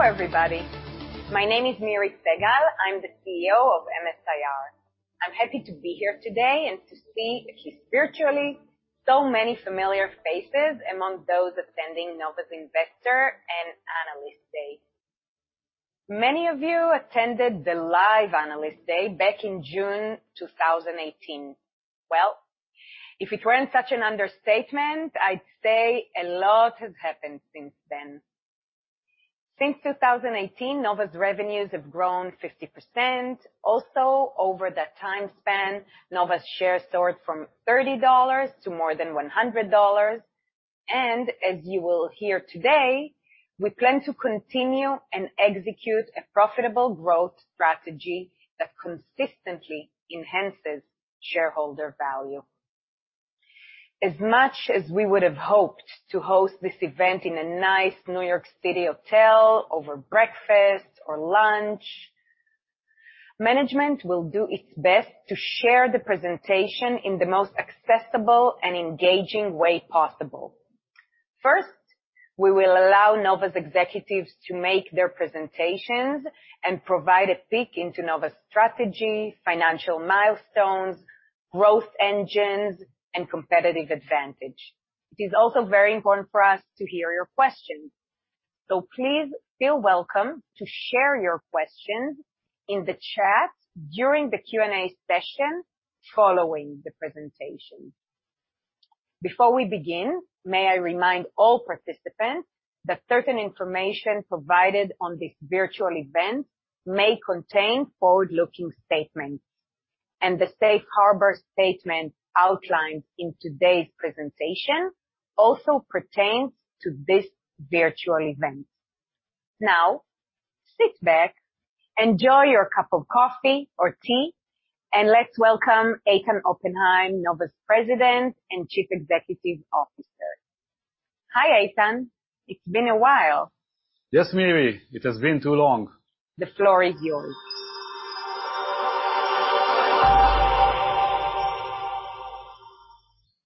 Hello everybody. My name is Miri Segal. I am the CEO of MS-IR. I am happy to be here today and to see, if virtually, so many familiar faces among those attending Nova Investor and Analyst Day. Many of you attended the live Analyst Day back in June 2018. Well, if it weren't such an understatement, I would say a lot has happened since then. Since 2018, Nova's revenues have grown 50%. Also, over that time span, Nova's shares soared from $30 to more than $100. As you will hear today, we plan to continue and execute a profitable growth strategy that consistently enhances shareholder value. As much as we would have hoped to host this event in a nice New York City hotel over breakfast or lunch, management will do its best to share the presentation in the most accessible and engaging way possible. First, we will allow Nova's executives to make their presentations and provide a peek into Nova's strategy, financial milestones, growth engines, and competitive advantage. It is also very important for us to hear your questions, so please feel welcome to share your questions in the chat during the Q&A session following the presentation. Before we begin, may I remind all participants that certain information provided on this virtual event may contain forward-looking statements, and the safe harbor statement outlined in today's presentation also pertains to this virtual event. Now, sit back, enjoy your cup of coffee or tea, and let's welcome Eitan Oppenhaim, Nova's President and Chief Executive Officer. Hi, Eitan. It's been a while. Yes, Miri, it has been too long. The floor is yours.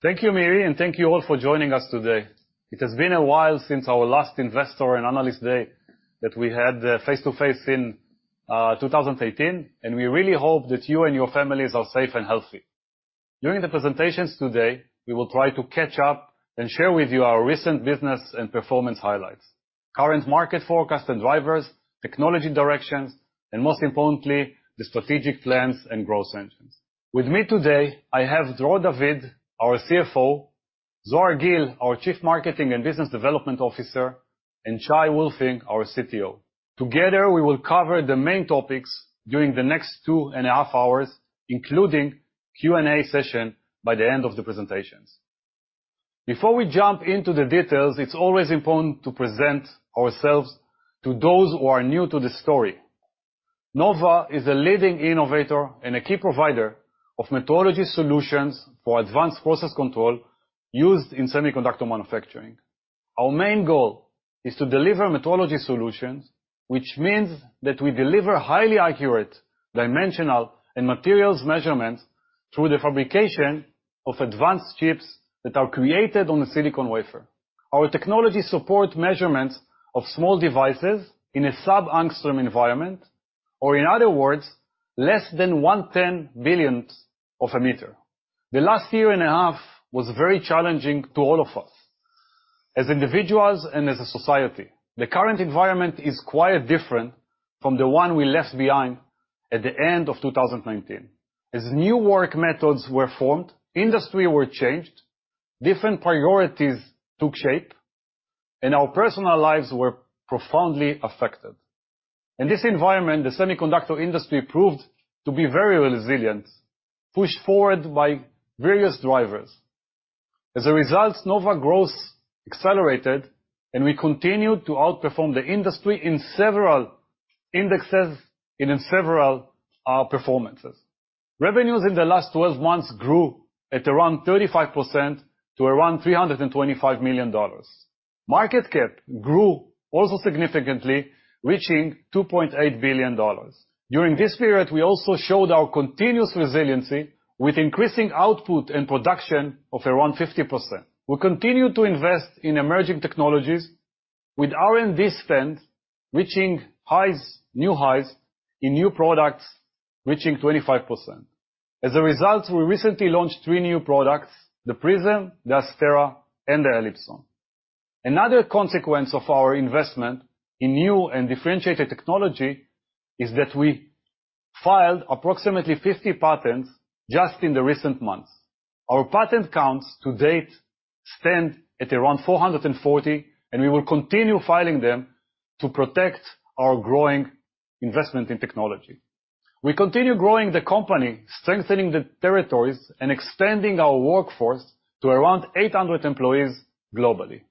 Thank you, Miri, and thank you all for joining us today. It has been a while since our last Investor and Analyst Day that we had face-to-face in 2018, and we really hope that you and your families are safe and healthy. During the presentations today, we will try to catch up and share with you our recent business and performance highlights, current market forecast and drivers, technology directions, and most importantly, the strategic plans and growth engines. With me today, I have Dror David, our CFO, Zohar Gil, our Chief Marketing and Business Development Officer, and Shay Wolfling, our CTO. Together, we will cover the main topics during the next two and a half hours, including Q&A session by the end of the presentations. Before we jump into the details, it's always important to present ourselves to those who are new to the story. Nova is a leading innovator and a key provider of metrology solutions for advanced process control used in semiconductor manufacturing. Our main goal is to deliver metrology solutions, which means that we deliver highly accurate dimensional and materials measurements through the fabrication of advanced chips that are created on the silicon wafer. Our technology support measurements of small devices in a sub-angstrom environment, or in other words, less than one ten-billionth of a meter. The last year and a half was very challenging to all of us, as individuals and as a society. The current environment is quite different from the one we left behind at the end of 2019. As new work methods were formed, industry were changed, different priorities took shape, and our personal lives were profoundly affected. In this environment, the semiconductor industry proved to be very resilient, pushed forward by various drivers. Nova growth accelerated, and we continued to outperform the industry in several indexes and in several performances. Revenues in the last 12 months grew at around 35% to around $325 million. Market cap grew also significantly, reaching $2.8 billion. During this period, we also showed our continuous resiliency with increasing output and production of around 50%. We continue to invest in emerging technologies, with R&D spend reaching new highs in new products, reaching 25%. We recently launched three new products, the Nova PRISM, the Nova ASTERA, and the Nova ELIPSON. Another consequence of our investment in new and differentiated technology is that we filed approximately 50 patents just in the recent months. Our patent counts to date stand at around 440, and we will continue filing them to protect our growing investment in technology. We continue growing the company, strengthening the territories, and extending our workforce to around 800 employees globally.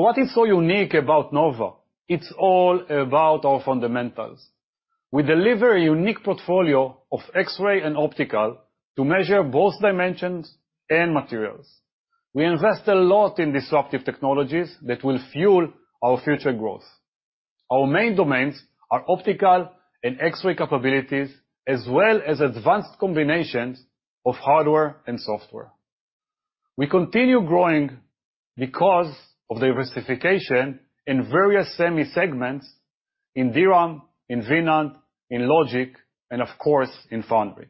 What is so unique about Nova? It's all about our fundamentals. We deliver a unique portfolio of X-ray and optical to measure both dimensions and materials. We invest a lot in disruptive technologies that will fuel our future growth. Our main domains are optical and X-ray capabilities, as well as advanced combinations of hardware and software. We continue growing because of diversification in various semi segments, in DRAM, in NAND, in logic, and of course, in foundry.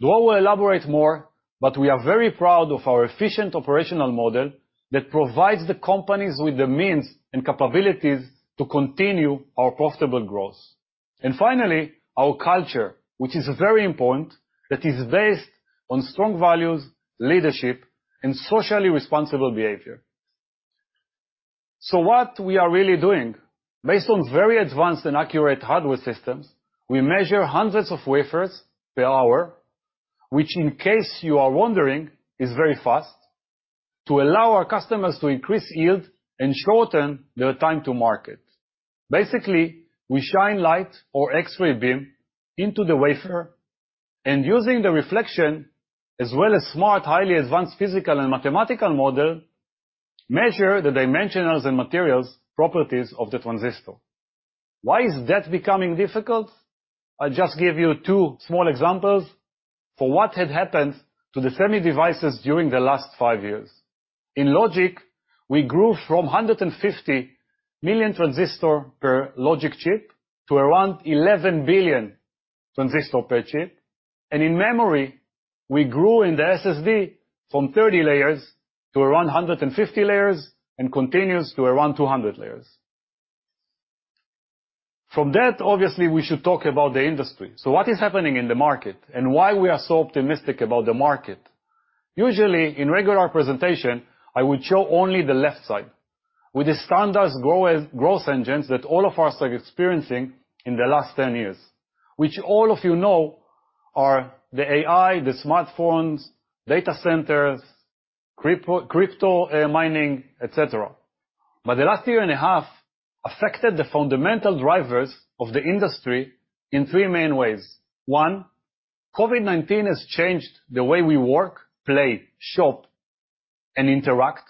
Dror will elaborate more, but we are very proud of our efficient operational model that provides the companies with the means and capabilities to continue our profitable growth. Finally, our culture, which is very important, that is based on strong values, leadership, and socially responsible behavior. What we are really doing, based on very advanced and accurate hardware systems, we measure hundreds of wafers per hour, which in case you are wondering, is very fast, to allow our customers to increase yield and shorten their time to market. Basically, we shine light or X-ray beam into the wafer, and using the reflection as well as smart, highly advanced physical and mathematical model, measure the dimensionals and materials properties of the transistor. Why is that becoming difficult? I'll just give you two small examples for what had happened to the semi devices during the last five years. In logic, we grew from 150 million transistor per logic chip to around 11 billion transistor per chip. In memory, we grew in the SSD from 30 layers to around 150 layers, and continues to around 200 layers. From that, obviously, we should talk about the industry. What is happening in the market, and why we are so optimistic about the market? Usually, in regular presentation, I would show only the left side with the standard growth engines that all of us are experiencing in the last 10 years, which all of you know are the AI, the smartphones, data centers, crypto mining, et cetera. The last year and a half affected the fundamental drivers of the industry in three main ways. One, COVID-19 has changed the way we work, play, shop, and interact,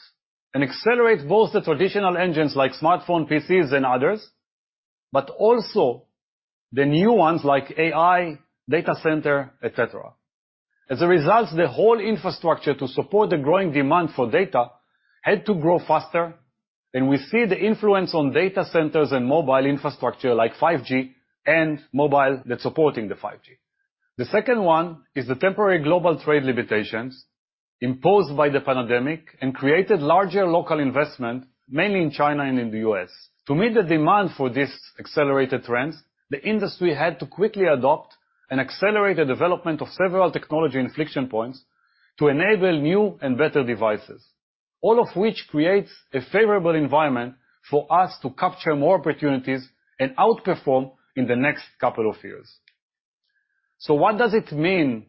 and accelerate both the traditional engines like smartphone, PCs, and others, but also the new ones like AI, data center, et cetera. As a result, the whole infrastructure to support the growing demand for data had to grow faster, and we see the influence on data centers and mobile infrastructure like 5G and mobile that's supporting the 5G. The second one is the temporary global trade limitations imposed by the pandemic and created larger local investment, mainly in China and in the U.S. To meet the demand for these accelerated trends, the industry had to quickly adopt and accelerate the development of several technology inflection points to enable new and better devices. All of which creates a favorable environment for us to capture more opportunities and outperform in the next couple of years. What does it mean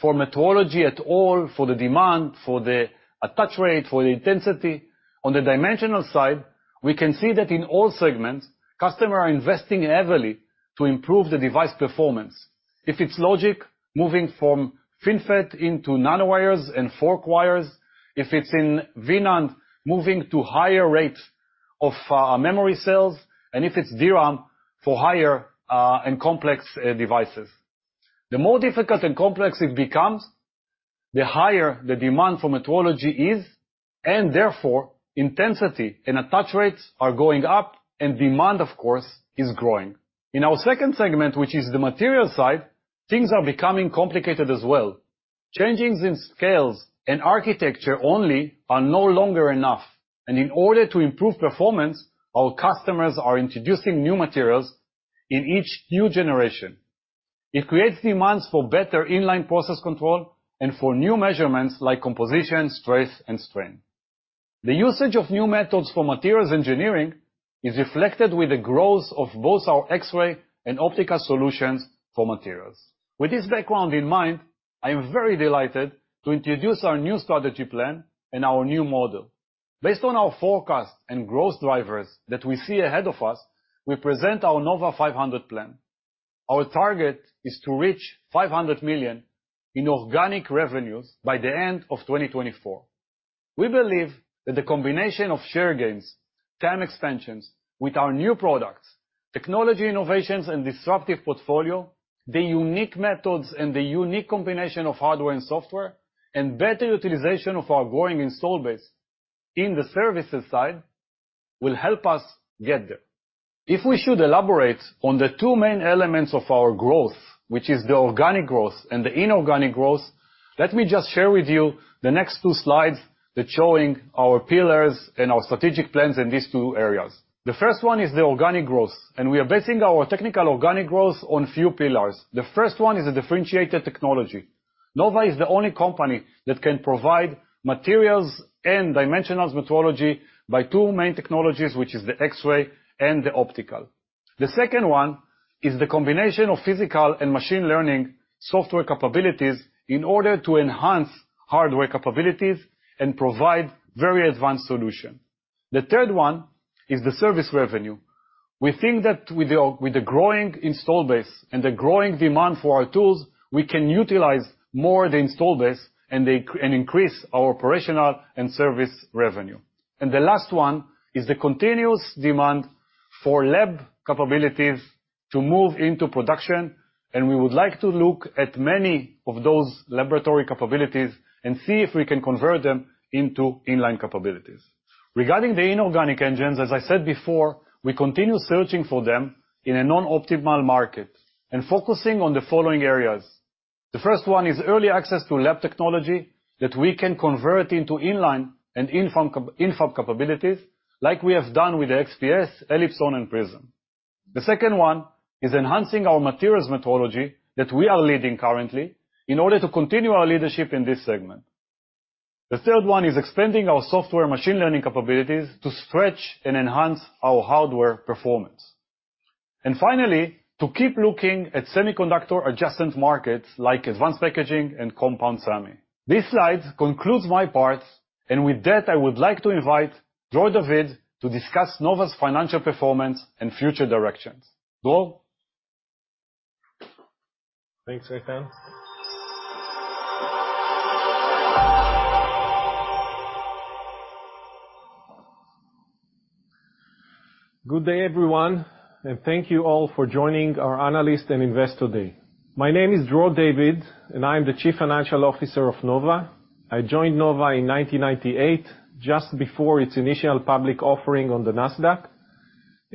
for metrology at all for the demand, for the attach rate, for the intensity? On the dimensional side, we can see that in all segments, customers are investing heavily to improve the device performance. If it's logic, moving from FinFET into nanowires and forksheet. If it's in NAND, moving to higher rates of memory cells. If it's DRAM, for higher and complex devices. The more difficult and complex it becomes, the higher the demand for metrology is, and therefore, intensity and attach rates are going up and demand, of course, is growing. In our second segment, which is the material side, things are becoming complicated as well. Changings in scales and architecture only are no longer enough. In order to improve performance, our customers are introducing new materials in each new generation. It creates demands for better in-line process control and for new measurements like composition, stress, and strain. The usage of new methods for materials engineering is reflected with the growth of both our X-ray and optical solutions for materials. With this background in mind, I am very delighted to introduce our new strategy plan and our new model. Based on our forecast and growth drivers that we see ahead of us, we present our Nova 500 plan. Our target is to reach $500 million in organic revenues by the end of 2024. We believe that the combination of share gains, TAM expansions with our new products, technology innovations and disruptive portfolio, the unique methods and the unique combination of hardware and software, and better utilization of our growing install base in the services side will help us get there. If we should elaborate on the two main elements of our growth, which is the organic growth and the inorganic growth, let me just share with you the next two slides that's showing our pillars and our strategic plans in these two areas. The first one is the organic growth. We are basing our technical organic growth on few pillars. The first one is a differentiated technology. Nova is the only company that can provide materials and dimensional metrology by two main technologies, which is the X-ray and the optical. The second one is the combination of physical and machine learning software capabilities in order to enhance hardware capabilities and provide very advanced solution. The third one is the service revenue. We think that with the growing install base and the growing demand for our tools, we can utilize more the install base and increase our operational and service revenue. The last one is the continuous demand for lab capabilities to move into production, and we would like to look at many of those laboratory capabilities and see if we can convert them into inline capabilities. Regarding the inorganic engines, as I said before, we continue searching for them in a non-optimal market and focusing on the following areas. The first one is early access to lab technology that we can convert into inline and in-fab capabilities, like we have done with the XPS, ELIPSON and PRISM. The second one is enhancing our materials metrology that we are leading currently in order to continue our leadership in this segment. The third one is expanding our software machine learning capabilities to stretch and enhance our hardware performance. Finally, to keep looking at semiconductor adjacent markets like advanced packaging and compound semi. This slide concludes my part. With that, I would like to invite Dror David to discuss Nova's financial performance and future directions. Dror? Thanks, Eitan. Good day, everyone, thank you all for joining our Analyst and Investor Day. My name is Dror David, I'm the Chief Financial Officer of Nova. I joined Nova in 1998 just before its initial public offering on the Nasdaq,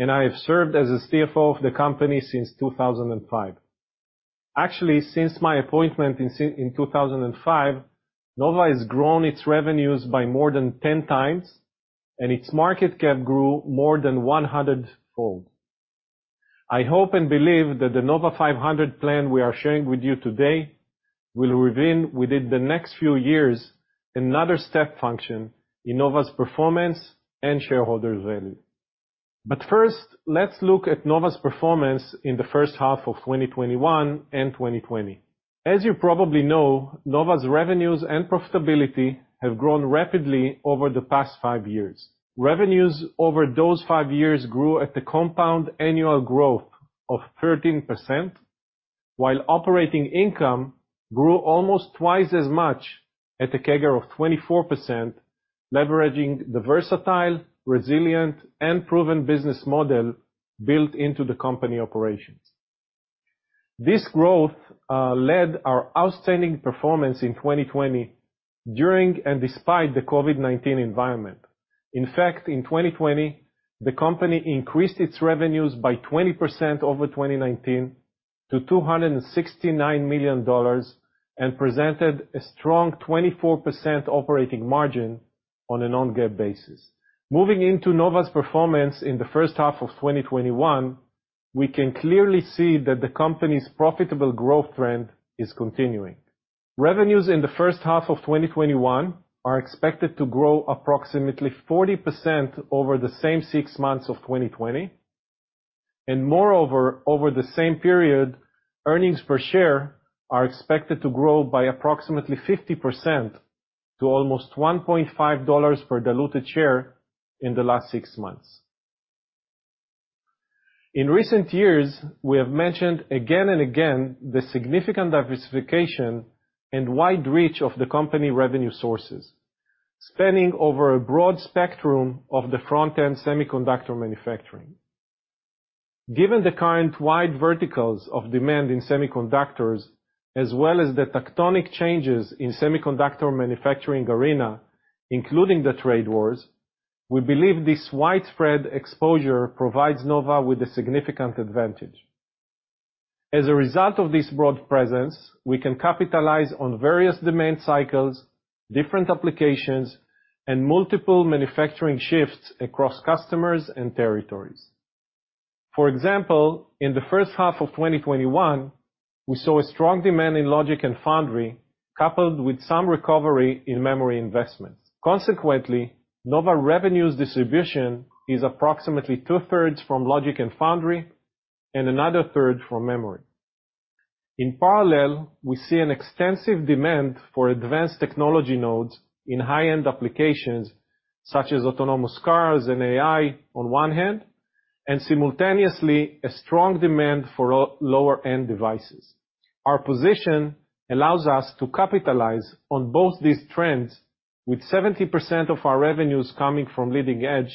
I have served as the CFO of the company since 2005. Actually, since my appointment in 2005, Nova has grown its revenues by more than 10 times, its market cap grew more than 100-fold. I hope and believe that the NOVA500 plan we are sharing with you today will reveal within the next few years another step function in Nova's performance and shareholder value. First, let's look at Nova's performance in the first half of 2021 and 2020. As you probably know, Nova's revenues and profitability have grown rapidly over the past five years. Revenues over those five years grew at a compound annual growth of 13%, while operating income grew almost twice as much at a CAGR of 24%, leveraging the versatile, resilient, and proven business model built into the company operations. This growth led our outstanding performance in 2020 during and despite the COVID-19 environment. In fact, in 2020, the company increased its revenues by 20% over 2019 to $269 million and presented a strong 24% operating margin on a non-GAAP basis. Moving into Nova's performance in the first half of 2021, we can clearly see that the company's profitable growth trend is continuing. Revenues in the first half of 2021 are expected to grow approximately 40% over the same six months of 2020. Moreover, over the same period, earnings per share are expected to grow by approximately 50% to almost $1.5 per diluted share in the last 6 months. In recent years, we have mentioned again and again the significant diversification and wide reach of the company revenue sources, spanning over a broad spectrum of the front-end semiconductor manufacturing. Given the current wide verticals of demand in semiconductors, as well as the tectonic changes in semiconductor manufacturing arena, including the trade wars, we believe this widespread exposure provides Nova with a significant advantage. As a result of this broad presence, we can capitalize on various demand cycles, different applications, and multiple manufacturing shifts across customers and territories. For example, in the first half of 2021, we saw a strong demand in logic and foundry coupled with some recovery in memory investments. Consequently, Nova revenues distribution is approximately 2/3 from logic and foundry and another 1/3 from memory. In parallel, we see an extensive demand for advanced technology nodes in high-end applications such as autonomous cars and AI on one hand, and simultaneously a strong demand for lower-end devices. Our position allows us to capitalize on both these trends with 70% of our revenues coming from leading edge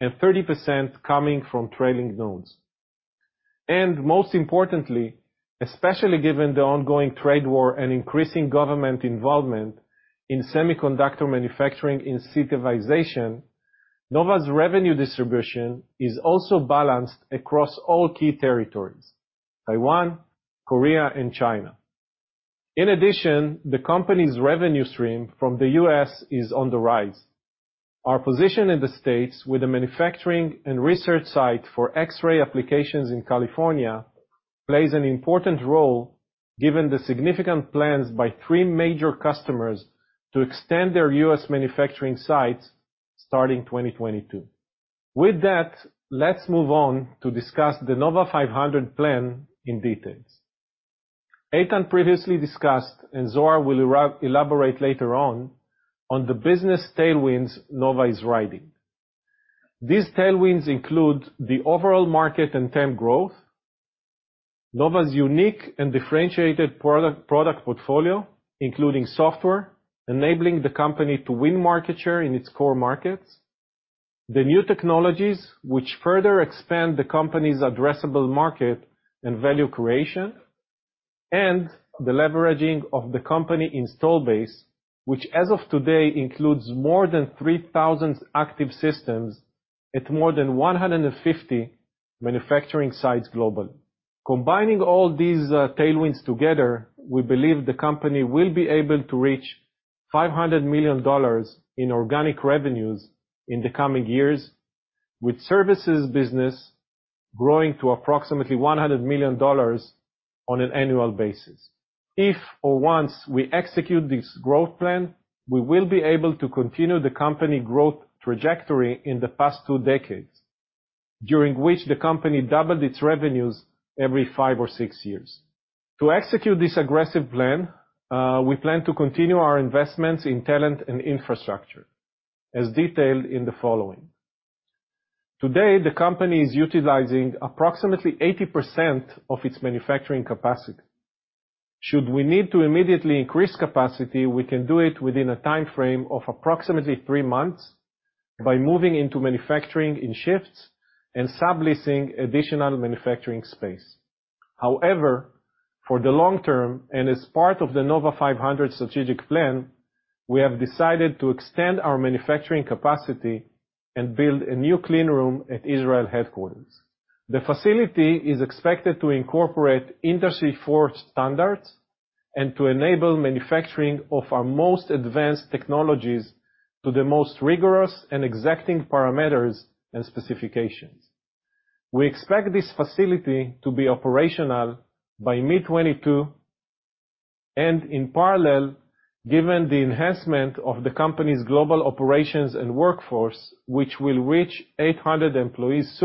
and 30% coming from trailing nodes. Most importantly, especially given the ongoing trade war and increasing government involvement in semiconductor manufacturing incentivization, Nova's revenue distribution is also balanced across all key territories, Taiwan, Korea, and China. In addition, the company's revenue stream from the U.S. is on the rise. Our position in the States with a manufacturing and research site for X-ray applications in California plays an important role given the significant plans by 3 major customers to extend their U.S. manufacturing sites starting 2022. With that, let's move on to discuss the Nova 500 plan in details. Eitan previously discussed, and Zohar will elaborate later on the business tailwinds Nova is riding. These tailwinds include the overall market and TAM growth, Nova's unique and differentiated product portfolio, including software, enabling the company to win market share in its core markets, the new technologies which further expand the company's addressable market and value creation, and the leveraging of the company install base, which as of today includes more than 3,000 active systems at more than 150 manufacturing sites global. Combining all these tailwinds together, we believe the company will be able to reach $500 million in organic revenues in the coming years, with services business growing to approximately $100 million on an annual basis. If or once we execute this growth plan, we will be able to continue the company growth trajectory in the past two decades, during which the company doubled its revenues every five or six years. To execute this aggressive plan, we plan to continue our investments in talent and infrastructure, as detailed in the following. Today, the company is utilizing approximately 80% of its manufacturing capacity. Should we need to immediately increase capacity, we can do it within a timeframe of approximately three months by moving into manufacturing in shifts and subleasing additional manufacturing space. However, for the long term, and as part of the Nova500 strategic plan, we have decided to extend our manufacturing capacity and build a new clean room at Israel headquarters. The facility is expected to incorporate Industry 4.0 standards and to enable manufacturing of our most advanced technologies to the most rigorous and exacting diameters and specifications. We expect this facility to be operational by mid-2022. In parallel, given the enhancement of the company's global operations and workforce, which will reach 800 employees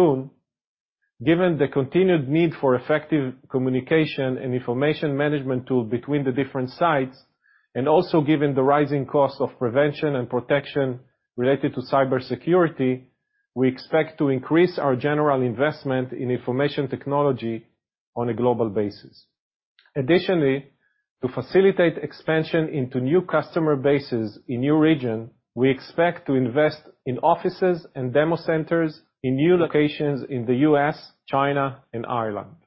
soon, given the continued need for effective communication and information management tool between the different sites, also given the rising cost of prevention and protection related to cybersecurity, we expect to increase our general investment in information technology on a global basis. Additionally, to facilitate expansion into new customer bases in new region, we expect to invest in offices and demo centers in new locations in the U.S., China, and Ireland.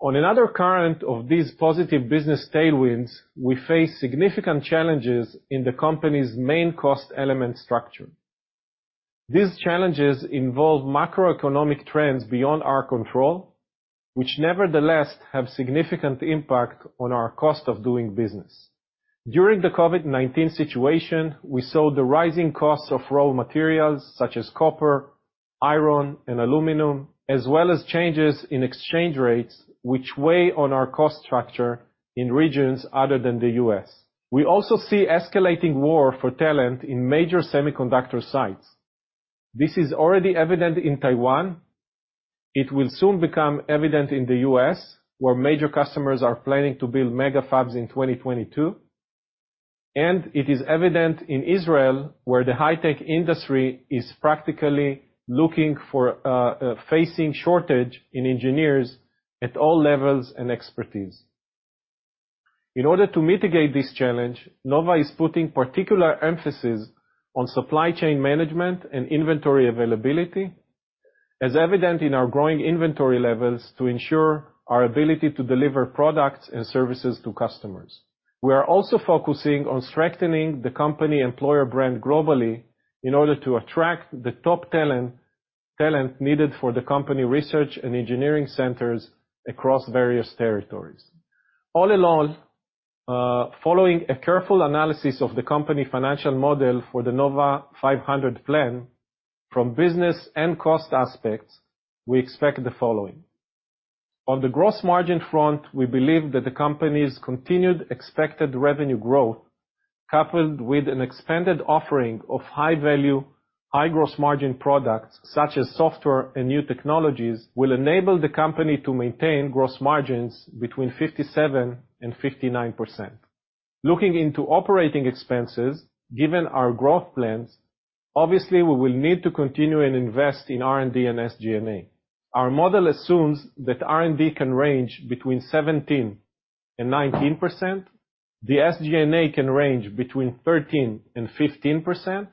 On another current of these positive business tailwinds, we face significant challenges in the company's main cost element structure. These challenges involve macroeconomic trends beyond our control, which nevertheless have significant impact on our cost of doing business. During the COVID-19 situation, we saw the rising cost of raw materials such as copper, iron, and aluminum, as well as changes in exchange rates, which weigh on our cost structure in regions other than the U.S. We also see escalating war for talent in major semiconductor sites. This is already evident in Taiwan. It will soon become evident in the U.S., where major customers are planning to build mega fabs in 2022. It is evident in Israel, where the high-tech industry is practically facing shortage in engineers at all levels and expertise. In order to mitigate this challenge, Nova is putting particular emphasis on supply chain management and inventory availability, as evident in our growing inventory levels, to ensure our ability to deliver products and services to customers. We are also focusing on strengthening the company employer brand globally in order to attract the top talent needed for the company research and engineering centers across various territories. All in all, following a careful analysis of the company financial model for the NOVA500 plan from business and cost aspects, we expect the following. On the gross margin front, we believe that the company's continued expected revenue growth, coupled with an expanded offering of high-value, high gross margin products such as software and new technologies, will enable the company to maintain gross margins between 57% and 59%. Looking into operating expenses, given our growth plans, obviously we will need to continue and invest in R&D and SG&A. Our model assumes that R&D can range between 17% and 19%, the SG&A can range between 13% and 15%.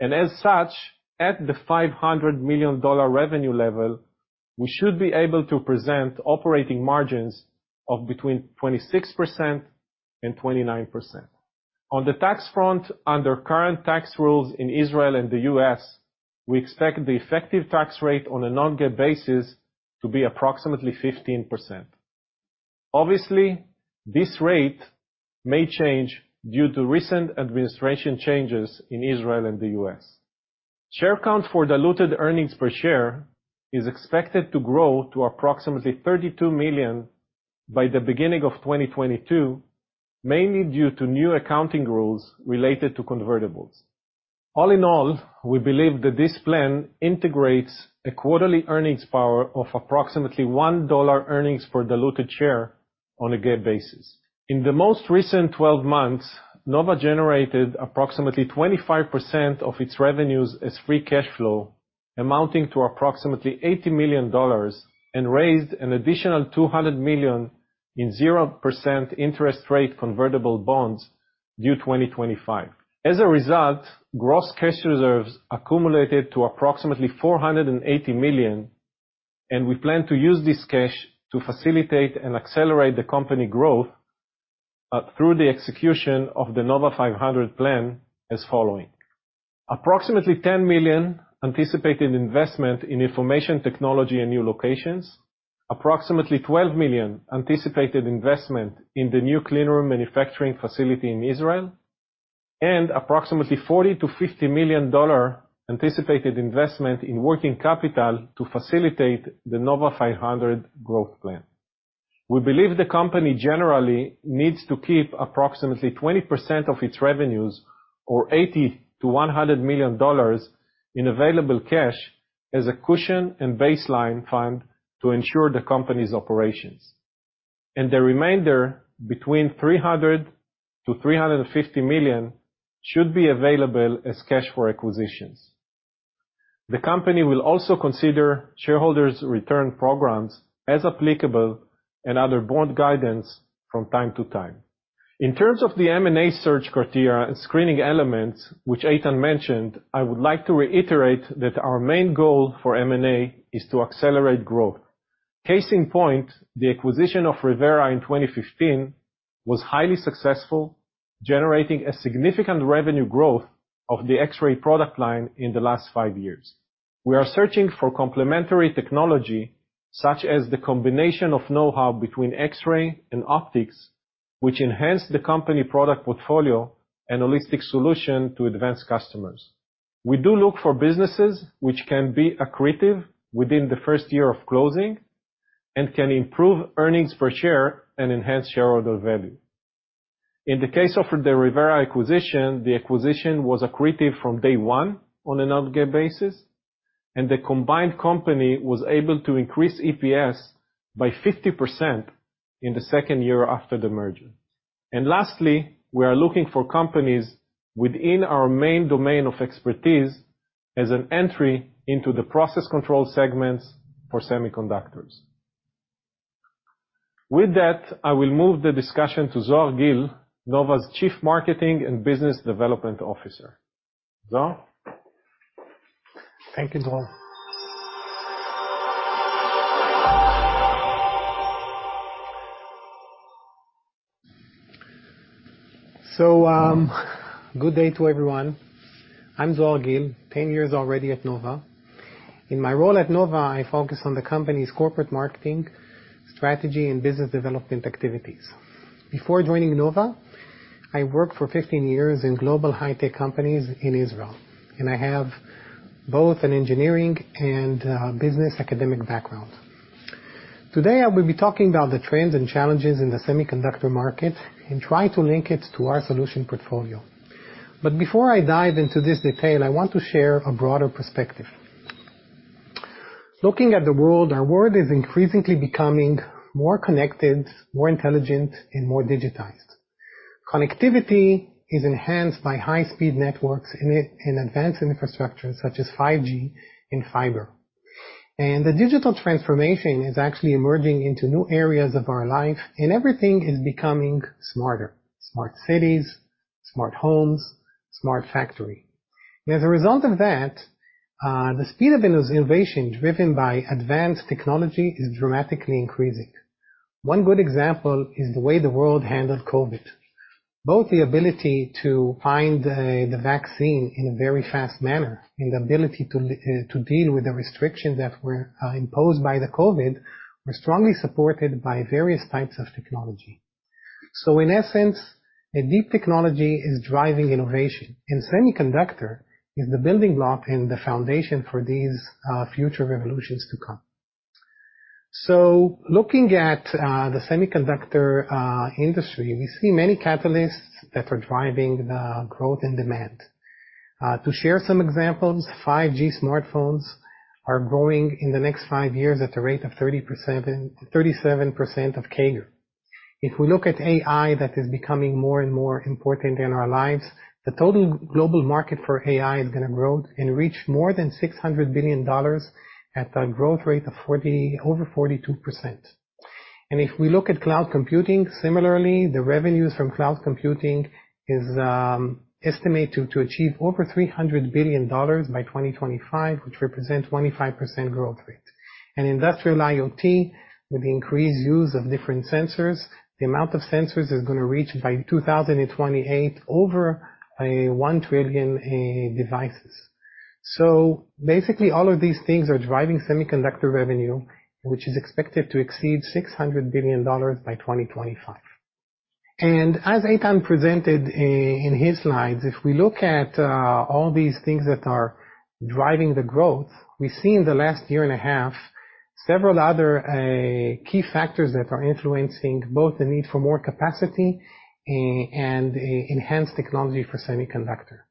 As such, at the $500 million revenue level, we should be able to present operating margins of between 26% and 29%. On the tax front, under current tax rules in Israel and the U.S., we expect the effective tax rate on a non-GAAP basis to be approximately 15%. Obviously, this rate may change due to recent administration changes in Israel and the U.S. Share count for diluted earnings per share is expected to grow to approximately 32 million by the beginning of 2022, mainly due to new accounting rules related to convertibles. All in all, we believe that this plan integrates a quarterly earnings power of approximately $1 earnings per diluted share on a GAAP basis. In the most recent 12 months, Nova generated approximately 25% of its revenues as free cash flow, amounting to approximately $80 million, and raised an additional $200 million in 0% interest rate convertible bonds due 2025. As a result, gross cash reserves accumulated to approximately $480 million. We plan to use this cash to facilitate and accelerate the company growth, through the execution of the Nova 500 plan as following. Approximately $10 million anticipated investment in information technology and new locations, approximately $12 million anticipated investment in the new clean room manufacturing facility in Israel, and approximately $40-$50 million anticipated investment in working capital to facilitate the Nova 500 growth plan. We believe the company generally needs to keep approximately 20% of its revenues or $80 million-$100 million in available cash as a cushion and baseline fund to ensure the company's operations. The remainder, between $300-$350 million, should be available as cash for acquisitions. The company will also consider shareholders' return programs as applicable and other board guidance from time to time. In terms of the M&A search criteria screening elements, which Eitan mentioned, I would like to reiterate that our main goal for M&A is to accelerate growth. Case in point, the acquisition of ReVera in 2015 was highly successful, generating a significant revenue growth of the X-ray product line in the last five years. We are searching for complementary technology, such as the combination of know-how between X-ray and optics, which enhance the company product portfolio and holistic solution to advanced customers. We do look for businesses which can be accretive within the first year of closing and can improve earnings per share and enhance shareholder value. In the case of the ReVera acquisition, the acquisition was accretive from day one on a non-GAAP basis. The combined company was able to increase EPS by 50% in the second year after the merger. Lastly, we are looking for companies within our main domain of expertise as an entry into the process control segments for semiconductors. With that, I will move the discussion to Zohar Gil, Nova's Chief Marketing and Business Development Officer. Zohar? Thank you, Zohar. Good day to everyone. I'm Zohar Gil, 10 years already at Nova. In my role at Nova, I focus on the company's corporate marketing, strategy, and business development activities. Before joining Nova, I worked for 15 years in global high-tech companies in Israel, and I have both an engineering and a business academic background. Today, I will be talking about the trends and challenges in the semiconductor market and try to link it to our solution portfolio. Before I dive into this detail, I want to share a broader perspective. Looking at the world, our world is increasingly becoming more connected, more intelligent, and more digitized. Connectivity is enhanced by high-speed networks and advanced infrastructure such as 5G and fiber. The digital transformation is actually emerging into new areas of our life, and everything is becoming smarter: smart cities, smart homes, smart factory. As a result of that, the speed of innovation driven by advanced technology is dramatically increasing. One good example is the way the world handled COVID. Both the ability to find the vaccine in a very fast manner and the ability to deal with the restrictions that were imposed by the COVID were strongly supported by various types of technology. In essence, a deep technology is driving innovation, and semiconductor is the building block and the foundation for these future revolutions to come. Looking at the semiconductor industry, we see many catalysts that are driving the growth and demand. To share some examples, 5G smartphones are growing in the next five years at a rate of 37% of CAGR. If we look at AI, that is becoming more and more important in our lives. The total global market for AI is going to grow and reach more than $600 billion at a growth rate of over 42%. If we look at cloud computing, similarly, the revenues from cloud computing is estimated to achieve over $300 billion by 2025, which represents 25% growth rate. Industrial IoT, with increased use of different sensors, the amount of sensors is going to reach by 2028 over 1 trillion devices. Basically, all of these things are driving semiconductor revenue, which is expected to exceed $600 billion by 2025. As Eitan presented in his slides, if we look at all these things that are driving the growth, we see in the last year and a half several other key factors that are influencing both the need for more capacity and enhanced technology for semiconductor.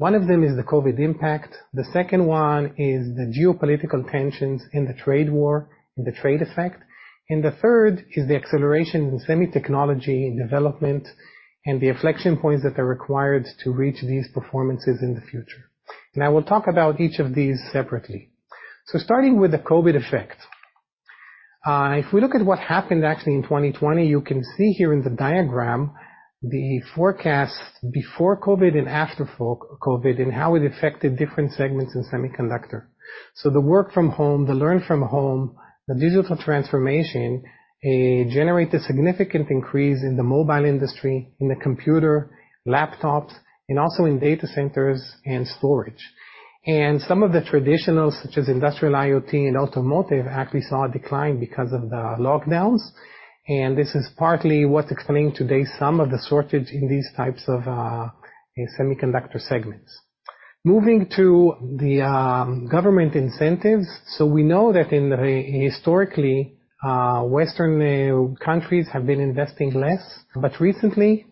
One of them is the COVID impact. The second one is the geopolitical tensions in the trade war and the trade effect. The third is the acceleration in semi technology development and the inflection points that are required to reach these performances in the future. We'll talk about each of these separately. Starting with the COVID effect. If we look at what happened actually in 2020, you can see here in the diagram the forecasts before COVID and after COVID, and how it affected different segments in semiconductor. The work from home, the learn from home, the digital transformation, generated significant increase in the mobile industry, in the computer, laptops, and also in data centers and storage. Some of the traditional, such as industrial IoT and automotive, actually saw a decline because of the lockdowns. This is partly what's explaining today some of the shortage in these types of semiconductor segments. Moving to the government incentives. We know that historically, Western countries have been investing less. Recently,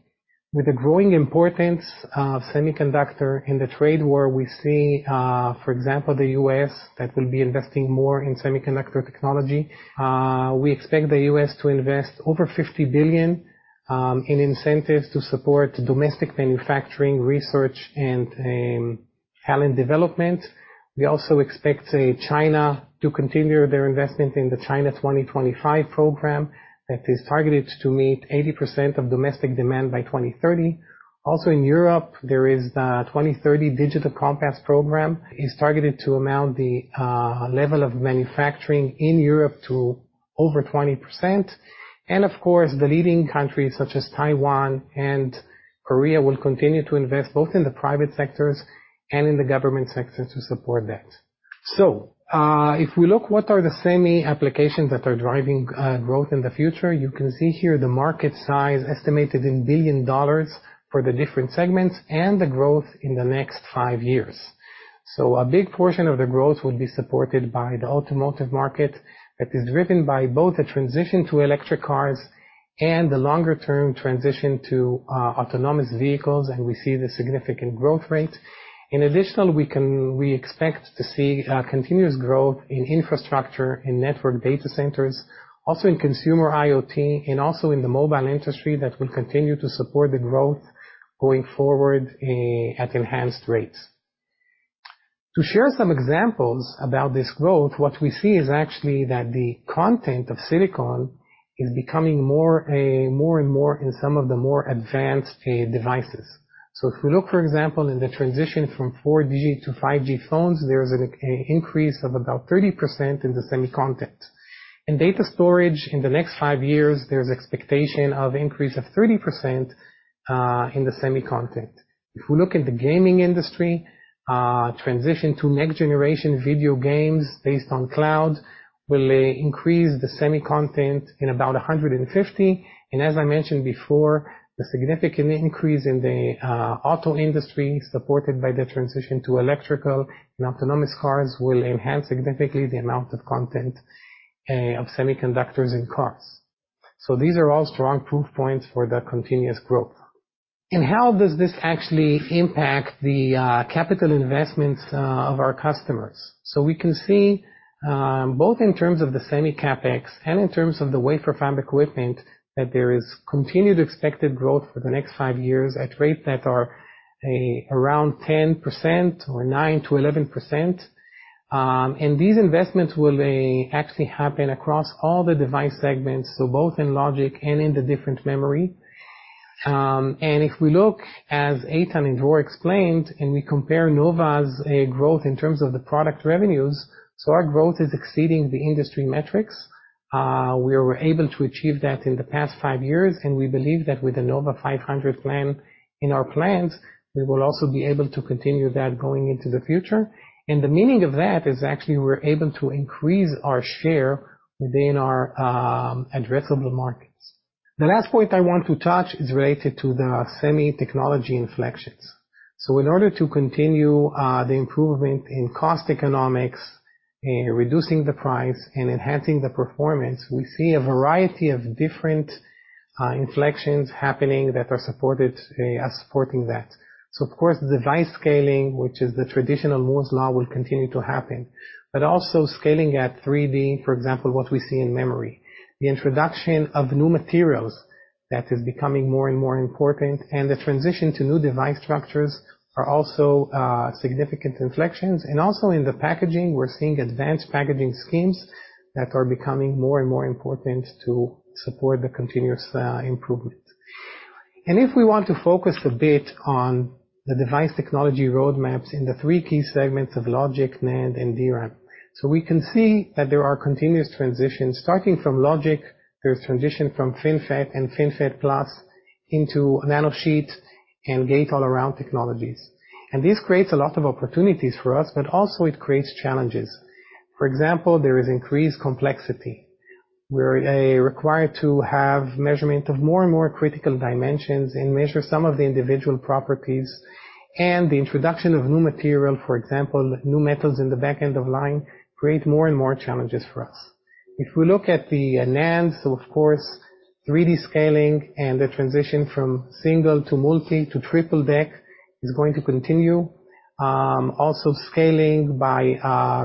with the growing importance of semiconductor in the trade war, we see, for example, the U.S. that will be investing more in semiconductor technology. We expect the U.S. to invest over $50 billion in incentives to support domestic manufacturing research and talent development. We also expect China to continue their investment in the Made in China 2025 program that is targeted to meet 80% of domestic demand by 2030. In Europe, there is the 2030 Digital Compass program, is targeted to amount the level of manufacturing in Europe to over 20%. Of course, the leading countries such as Taiwan and Korea will continue to invest both in the private sectors and in the government sectors to support that. If we look what are the semi applications that are driving growth in the future, you can see here the market size estimated in billion dollars for the different segments and the growth in the next five years. A big portion of the growth will be supported by the automotive market that is driven by both the transition to electric cars and the longer-term transition to autonomous vehicles, and we see the significant growth rate. In addition, we expect to see continuous growth in infrastructure, in network data centers, also in consumer IoT, and also in the mobile industry that will continue to support the growth going forward at enhanced rates. To share some examples about this growth, what we see is actually that the content of silicon is becoming more and more in some of the more advanced devices. If we look, for example, in the transition from 4G-5G phones, there's an increase of about 30% in the semi content. In data storage in the next five years, there's expectation of increase of 30% in the semi content. If we look at the gaming industry, transition to next-generation video games based on cloud will increase the semi content in about 150%. As I mentioned before, the significant increase in the auto industry supported by the transition to electrical and autonomous cars will enhance significantly the amount of content of semiconductors in cars. These are all strong proof points for that continuous growth. How does this actually impact the capital investments of our customers? We can see, both in terms of the semi CapEx and in terms of the wafer fab equipment, that there is continued expected growth for the next five years at rates that are around 10% or 9%-11%. These investments will actually happen across all the device segments, both in logic and in the different memory. If we look, as Eitan and Dror explained, and we compare Nova's growth in terms of the product revenues. Our growth is exceeding the industry metrics. We were able to achieve that in the past 5 years, and we believe that with the NOVA500 plan in our plans, we will also be able to continue that going into the future. The meaning of that is actually we're able to increase our share within our addressable markets. The last point I want to touch is related to the semi technology inflections. In order to continue the improvement in cost economics, reducing the price, and enhancing the performance, we see a variety of different inflections happening that are supporting that. Of course, device scaling, which is the traditional Moore's law, will continue to happen. Also scaling at 3D, for example, what we see in memory. The introduction of new materials that is becoming more and more important, and the transition to new device structures are also significant inflections. Also in the packaging, we're seeing advanced packaging schemes that are becoming more and more important to support the continuous improvement. If we want to focus a bit on the device technology roadmaps in the three key segments of logic, NAND, and DRAM. We can see that there are continuous transitions starting from logic. There's transition from FinFET and FinFET Plus into nanosheet and Gate-All-Around technologies. This creates a lot of opportunities for us, but also it creates challenges. For example, there is increased complexity. We're required to have measurement of more and more critical dimensions and measure some of the individual properties. The introduction of new material, for example, new metals in the back end of line, create more and more challenges for us. If we look at the NAND, of course, 3D scaling and the transition from single to multi to triple deck is going to continue. Also scaling by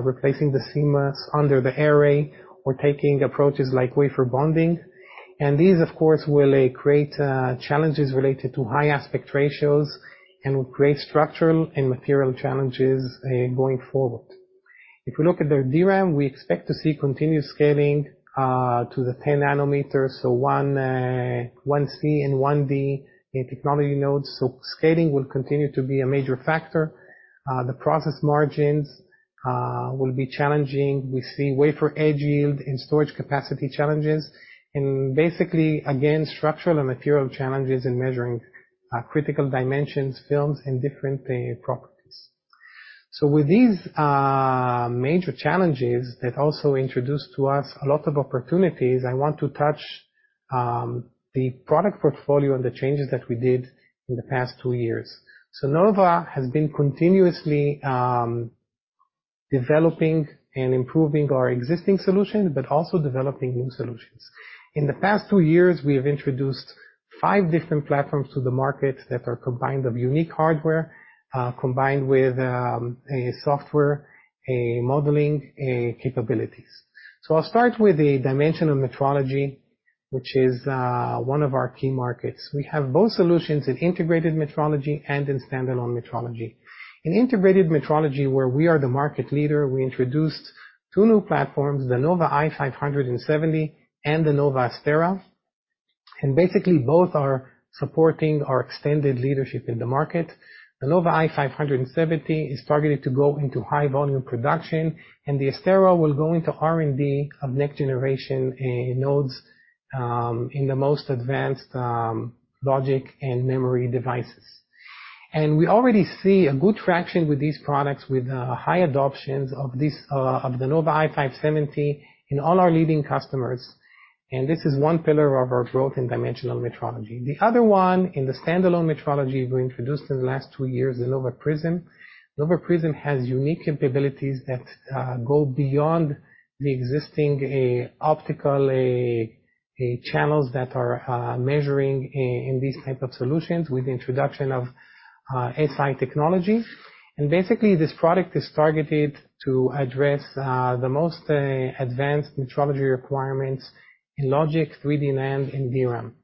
replacing the CMOS under array or taking approaches like wafer bonding. These, of course, will create challenges related to high aspect ratios and will create structural and material challenges going forward. If we look at the DRAM, we expect to see continued scaling to the 10 nanometers. 1C and 1D in technology nodes. Scaling will continue to be a major factor. The process margins will be challenging. We see wafer edge yield and storage capacity challenges, and basically again, structural and material challenges in measuring critical dimensions, films, and different properties. With these major challenges that also introduce to us a lot of opportunities, I want to touch the product portfolio and the changes that we did in the past two years. Nova has been continuously developing and improving our existing solutions, but also developing new solutions. In the past two years, we have introduced five different platforms to the market that are combined of unique hardware, combined with software modeling capabilities. I'll start with dimensional metrology, which is one of our key markets. We have both solutions in integrated metrology and in standalone metrology. In integrated metrology, where we are the market leader, we introduced two new platforms, the Nova i570 and the Nova ASTERA, and basically, both are supporting our extended leadership in the market. The Nova i570 is targeted to go into high volume production, and the ASTERA will go into R&D of next generation nodes in the most advanced logic and memory devices. We already see a good traction with these products, with high adoptions of the Nova i570 in all our leading customers. This is one pillar of our growth in dimensional metrology. The other one, in the standalone metrology we introduced in the last two years, the Nova Prism. Nova Prism has unique capabilities that go beyond the existing optical channels that are measuring in these type of solutions with the introduction of SI technologies. Basically this product is targeted to address the most advanced metrology requirements in logic, 3D NAND, and DRAM.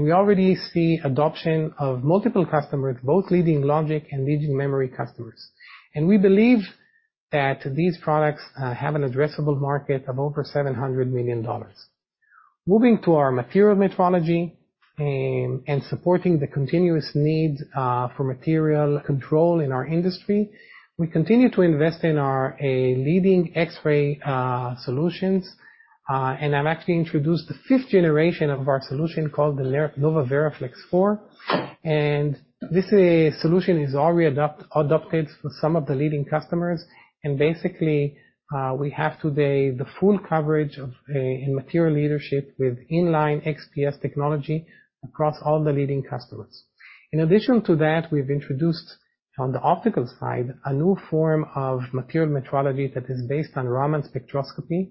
We already see adoption of multiple customers, both leading logic and leading memory customers. We believe that these products have an addressable market of over $700 million. Moving to our material metrology and supporting the continuous needs for material control in our industry, we continue to invest in our leading X-ray solutions. I've actually introduced the fifth generation of our solution called the Nova VeraFlex IV, and this solution is already adopted for some of the leading customers. We basically have today the full coverage of material leadership with in-line XPS technology across all the leading customers. In addition to that, we've introduced on the optical side, a new form of material metrology that is based on Raman spectroscopy,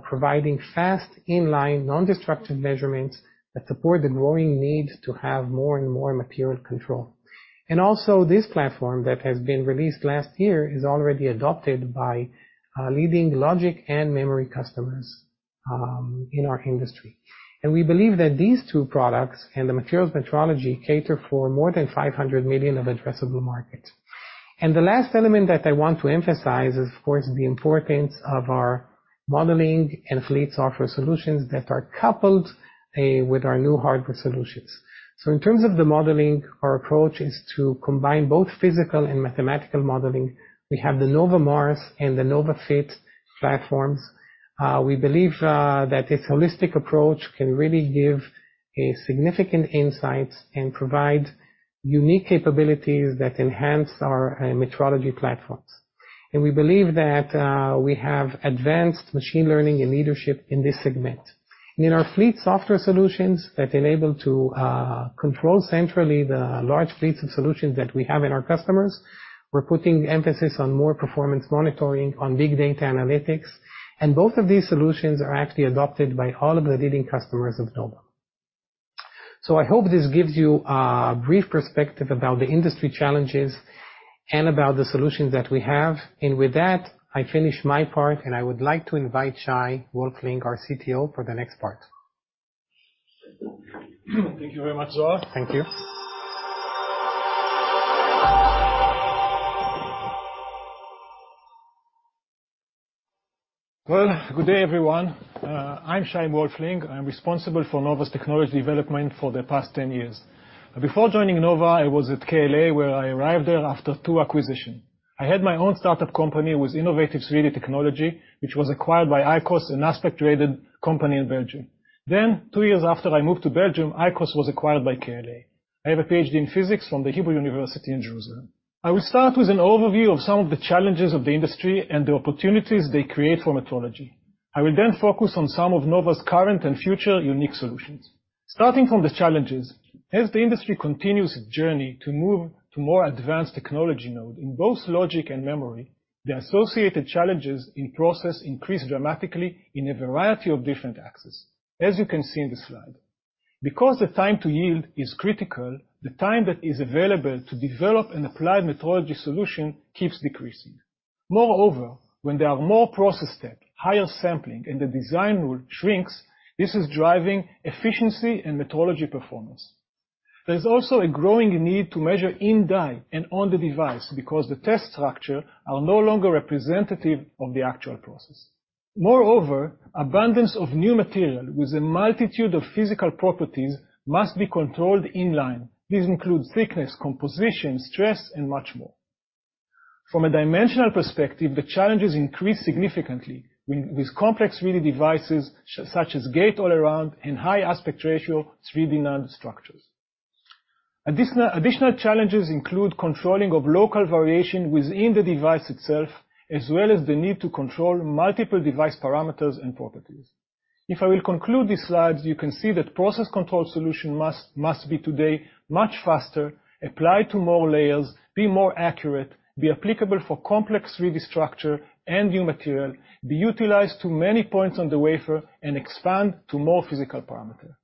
providing fast in-line, non-destructive measurements that support the growing need to have more and more material control. Also this platform that has been released last year is already adopted by leading logic and memory customers in our industry. We believe that these two products in the material metrology cater for more than 500 million of addressable market. The last element that I want to emphasize is of course, the importance of our modeling and fleet software solutions that are coupled with our new hardware solutions. In terms of the modeling, our approach is to combine both physical and mathematical modeling. We have the Nova MARS and the Nova FIT platforms. We believe that this holistic approach can really give significant insights and provide unique capabilities that enhance our metrology platforms. We believe that we have advanced machine learning and leadership in this segment. In our fleet software solutions that enable to control centrally the large fleets of solutions that we have in our customers, we're putting emphasis on more performance monitoring on big data analytics, and both of these solutions are actually adopted by all of the leading customers of Nova. I hope this gives you a brief perspective about the industry challenges and about the solutions that we have. With that, I finish my part, and I would like to invite Shay Wolfling, our CTO, for the next part. Thank you very much, Zohar. Thank you. Well, good day, everyone. I'm Shay Wolfling. I'm responsible for Nova's technology development for the past 10 years. before joining Nova, I was at KLA, where I arrived there after two acquisition. I had my own startup company with innovative 3D technology, which was acquired by ICOS an inspection-related company in Belgium. two years after I moved to Belgium, ICOS was acquired by KLA. I have a PhD in physics from the Hebrew University in Jerusalem. I will start with an overview of some of the challenges of the industry and the opportunities they create for metrology. I will then focus on some of Nova's current and future unique solutions. Starting from the challenges, as the industry continues its journey to move to more advanced technology node in both logic and memory, the associated challenges in process increase dramatically in a variety of different axes, as you can see in the slide. Because the time to yield is critical, the time that is available to develop and apply metrology solution keeps decreasing. Moreover, when there are more process steps, higher sampling in the design rule shrinks, this is driving efficiency and metrology performance. There's also a growing need to measure in-die and on the device because the test structures are no longer representative of the actual process. Moreover, abundance of new material with a multitude of physical properties must be controlled in-line. These include thickness, composition, stress, and much more. From a dimensional perspective, the challenges increase significantly with complex 3D devices such as gate-all-around and high aspect ratio 3D NAND structures. Additional challenges include controlling of local variation within the device itself, as well as the need to control multiple device diameters and properties. If I will conclude these slides, you can see that process control solution must be today much faster, apply to more layers, be more accurate, be applicable for complex 3D structure and new material, be utilized to many points on the wafer, and expand to more physical diameters.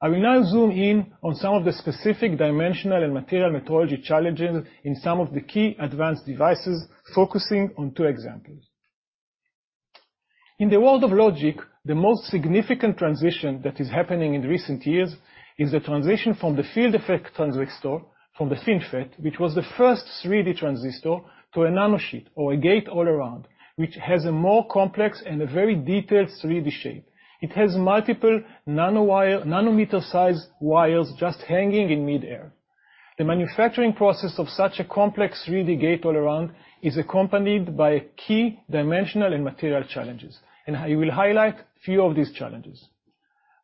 I will now zoom in on some of the specific dimensional and material metrology challenges in some of the key advanced devices, focusing on two examples. In the world of logic, the most significant transition that is happening in recent years is the transition from the field-effect transistor, from the FinFET, which was the first 3D transistor, to a nanosheet or a gate-all-around, which has a more complex and a very detailed 3D shape. It has multiple nanometer-sized wires just hanging in midair. The manufacturing process of such a complex 3D gate-all-around is accompanied by key dimensional and material challenges, and I will highlight a few of these challenges.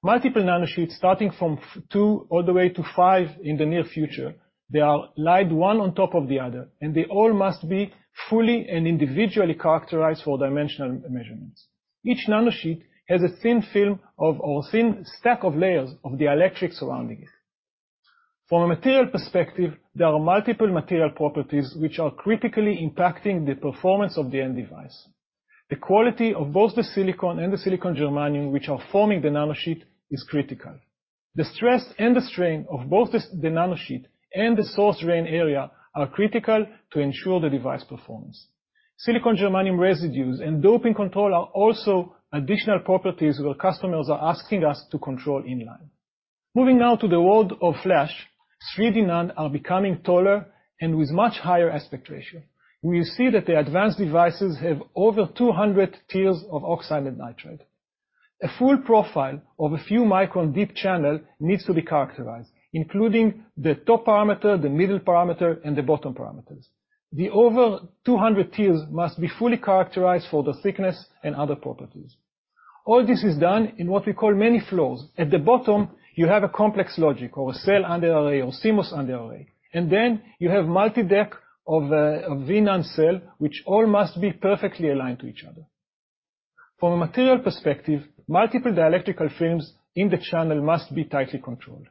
Multiple nanosheets, starting from two all the way to five in the near future. They are laid one on top of the other, and they all must be fully and individually characterized for dimensional measurements. Each nanosheet has a thin film or thin stack of layers of dielectric surrounding it. From a material perspective, there are multiple material properties which are critically impacting the performance of the end device. The quality of both the silicon and the silicon germanium which are forming the nanosheet is critical. The stress and the strain of both the nanosheet and the source/drain area are critical to ensure the device performs. Silicon germanium residues and doping control are also additional properties our customers are asking us to control in-line. Moving now to the world of flash, 3D NAND are becoming taller and with much higher aspect ratio. We see that the advanced devices have over 200 tiers of oxide and nitride. A full profile of a few micron deep channel needs to be characterized, including the top diameter the middle diameter and the bottom parameters. The over 200 tiers must be fully characterized for the thickness and other properties. All this is done in what we call many floors. At the bottom, you have a complex logic or a cell under array or CMOS under array, and then you have multi-deck of a V-NAND cell, which all must be perfectly aligned to each other. From a material perspective, multiple dielectric films in the channel must be tightly controlled.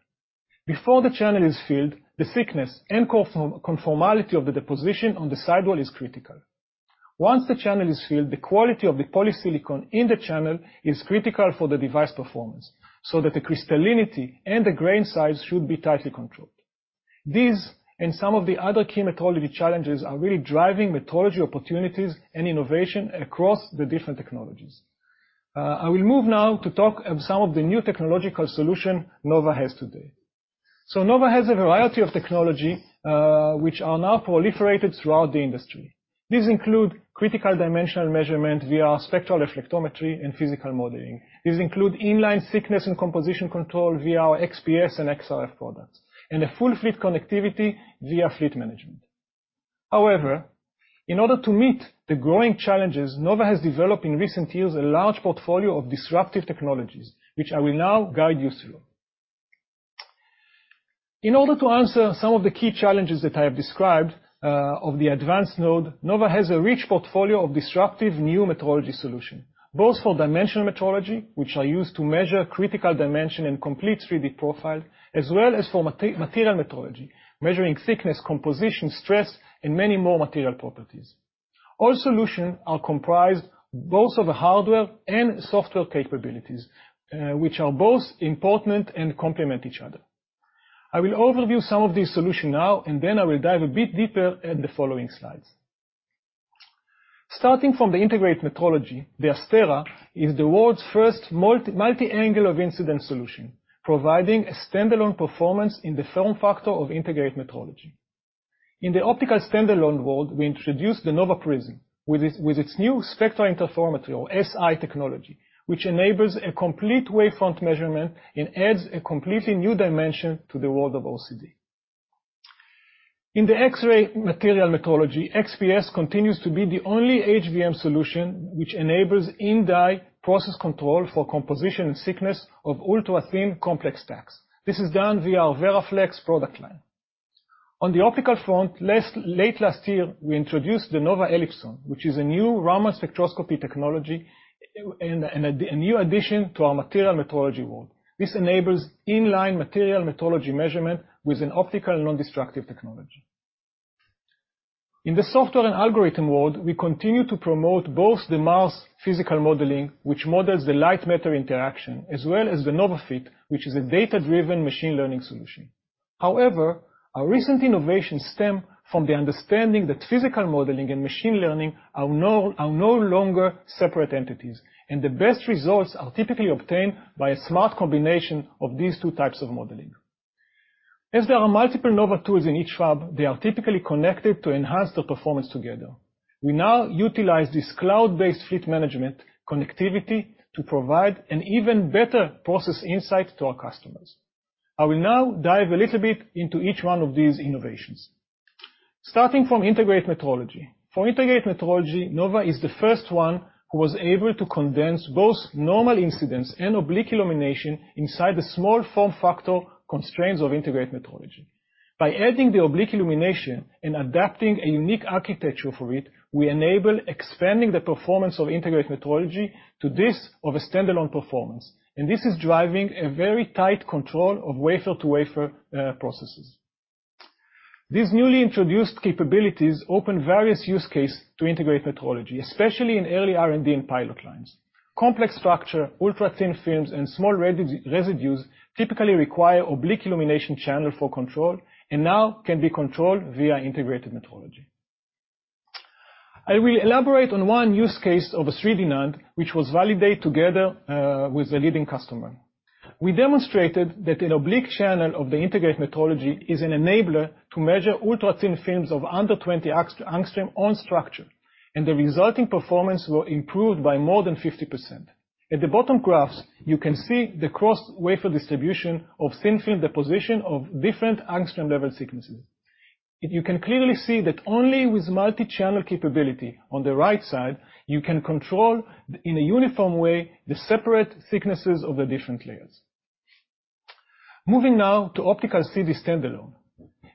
Before the channel is filled, the thickness and conformality of the deposition on the sidewall is critical. Once the channel is filled, the quality of the polysilicon in the channel is critical for the device performance, so that the crystallinity and the grain size should be tightly controlled. These and some of the other key metrology challenges are really driving metrology opportunities and innovation across the different technologies. I will move now to talk of some of the new technological solution Nova has today. Nova has a variety of technologies which are now proliferated throughout the industry. These include critical dimensional measurement via spectral reflectometry and physical modeling. These include in-line thickness and composition control via our XPS and XRF products, and a full fleet connectivity via fleet management. However, in order to meet the growing challenges, Nova has developed in recent years a large portfolio of disruptive technologies, which I will now guide you through. In order to answer some of the key challenges that I have described of the advanced node, Nova has a rich portfolio of disruptive new metrology solution, both for dimensional metrology, which are used to measure critical dimension and complete 3D profile, as well as for material metrology, measuring thickness, composition, stress, and many more material properties. All solutions are comprised both of the hardware and software capabilities, which are both important and complement each other. I will overview some of these solutions now, and then I will dive a bit deeper in the following slides. Starting from the integrated metrology, the Astera is the world's first multi-angle of incidence solution, providing a stand-alone performance in the form factor of integrated metrology. In the optical stand-alone world, we introduced the Nova Prism with its new spectral interferometry or Si technology, which enables a complete wavefront measurement and adds a completely new dimension to the world of OCD. In the X-ray material metrology, XPS continues to be the only HVM solution which enables in-die process control for composition and thickness of ultra-thin complex stacks. This is done via our VeraFlex product line. On the optical front, late last year, we introduced the Nova Elipson, which is a new Raman spectroscopy technology and a new addition to our material metrology world. This enables in-line material metrology measurement with an optical non-destructive technology. In the software and algorithm world, we continue to promote both the MARS physical modeling, which models the light-matter interaction, as well as the Nova FIT, which is a data-driven machine learning solution. However, our recent innovations stem from the understanding that physical modeling and machine learning are no longer separate entities, and the best results are typically obtained by a smart combination of these two types of modeling. As there are multiple Nova tools in each fab, they are typically connected to enhance their performance together. We now utilize this cloud-based fleet management connectivity to provide an even better process insight to our customers. I will now dive a little bit into each one of these innovations. Starting from integrated metrology. For integrated metrology, Nova is the first one who was able to condense both normal incidence and oblique illumination inside the small form factor constraints of integrated metrology. By adding the oblique illumination and adapting a unique architecture for it, we enable expanding the performance of integrated metrology to this of a standalone performance, and this is driving a very tight control of wafer-to-wafer processes. These newly introduced capabilities open various use cases to integrate metrology, especially in early R&D and pilot lines. Complex structure, ultra-thin films, and small residues typically require oblique illumination channel for control and now can be controlled via integrated metrology. I will elaborate on one use case of a 3D NAND, which was validated together with a leading customer. We demonstrated that an oblique channel of the integrated metrology is an enabler to measure ultra-thin films of under 20 angstrom on structure, and the resulting performance was improved by more than 50%. At the bottom graphs, you can see the cross-wafer distribution of thin-film deposition of different angstrom level sequences. You can clearly see that only with multi-channel capability on the right side, you can control in a uniform way the separate thicknesses of the different layers. Moving now to optical CD standalone.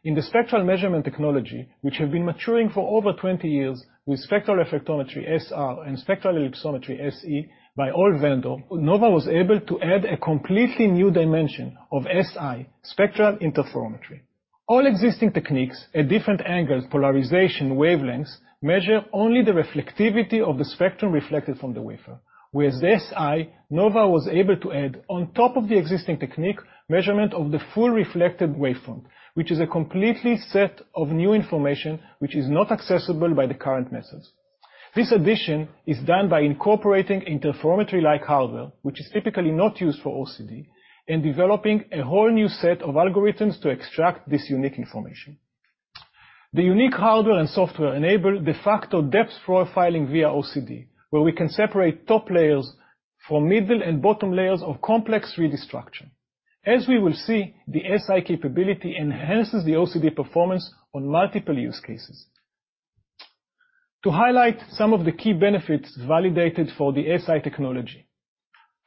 In the spectral measurement technology, which have been maturing for over 20 years with spectral reflectometry, SR, and spectral ellipsometry, SE, by all vendor, Nova was able to add a completely new dimension of SI, spectral interferometry. All existing techniques at different angles, polarization, wavelengths, measure only the reflectivity of the spectrum reflected from the wafer. SI, Nova was able to add on top of the existing technique, measurement of the full reflected waveform, which is a completely set of new information which is not accessible by the current methods. This addition is done by incorporating interferometry-like hardware, which is typically not used for OCD, and developing a whole new set of algorithms to extract this unique information. The unique hardware and software enable de facto depth profiling via OCD, where we can separate top layers from middle and bottom layers of complex 3D structure. As we will see, the SI capability enhances the OCD performance on multiple use cases. To highlight some of the key benefits validated for the SI technology.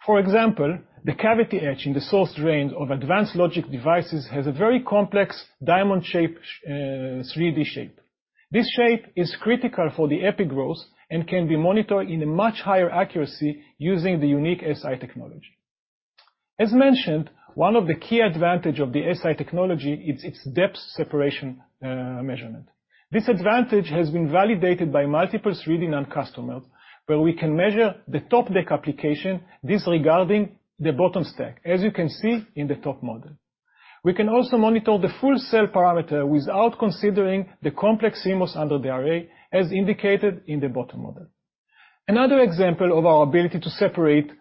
For example, the cavity etch in the source drain of advanced logic devices has a very complex diamond-shaped 3D shape. This shape is critical for the epi growth and can be monitored in a much higher accuracy using the unique SI technology. As mentioned, one of the key advantage of the SI technology is its depth separation measurement. This advantage has been validated by multiple 3D NAND customers, where we can measure the top deck application disregarding the bottom stack, as you can see in the top model. We can also monitor the full cell parameter without considering the complex CMOS under the array, as indicated in the bottom model. Another example of our ability to separate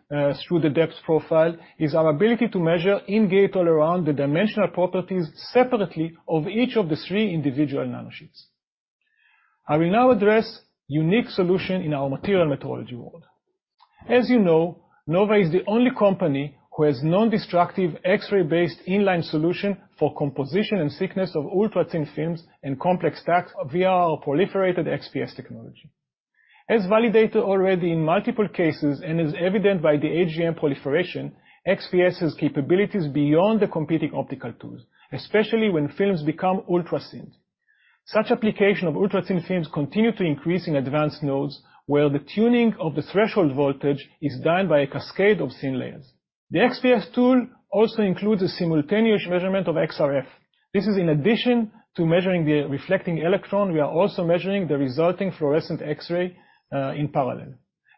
through the depth profile is our ability to measure in gate-all-around the dimensional properties separately of each of the three individual nanosheets. I will now address unique solution in our material metrology world. As you know, Nova is the only company who has non-destructive X-ray-based in-line solution for composition and thickness of ultra-thin films and complex stacks via our proliferated XPS technology. As validated already in multiple cases and as evident by the HVM proliferation, XPS has capabilities beyond the competing optical tools, especially when films become ultra-thin. Such application of ultra-thin films continue to increase in advanced nodes, where the tuning of the threshold voltage is done by a cascade of thin layers. The XPS tool also includes a simultaneous measurement of XRF. This is in addition to measuring the reflecting electron, we are also measuring the resulting fluorescent X-ray in parallel.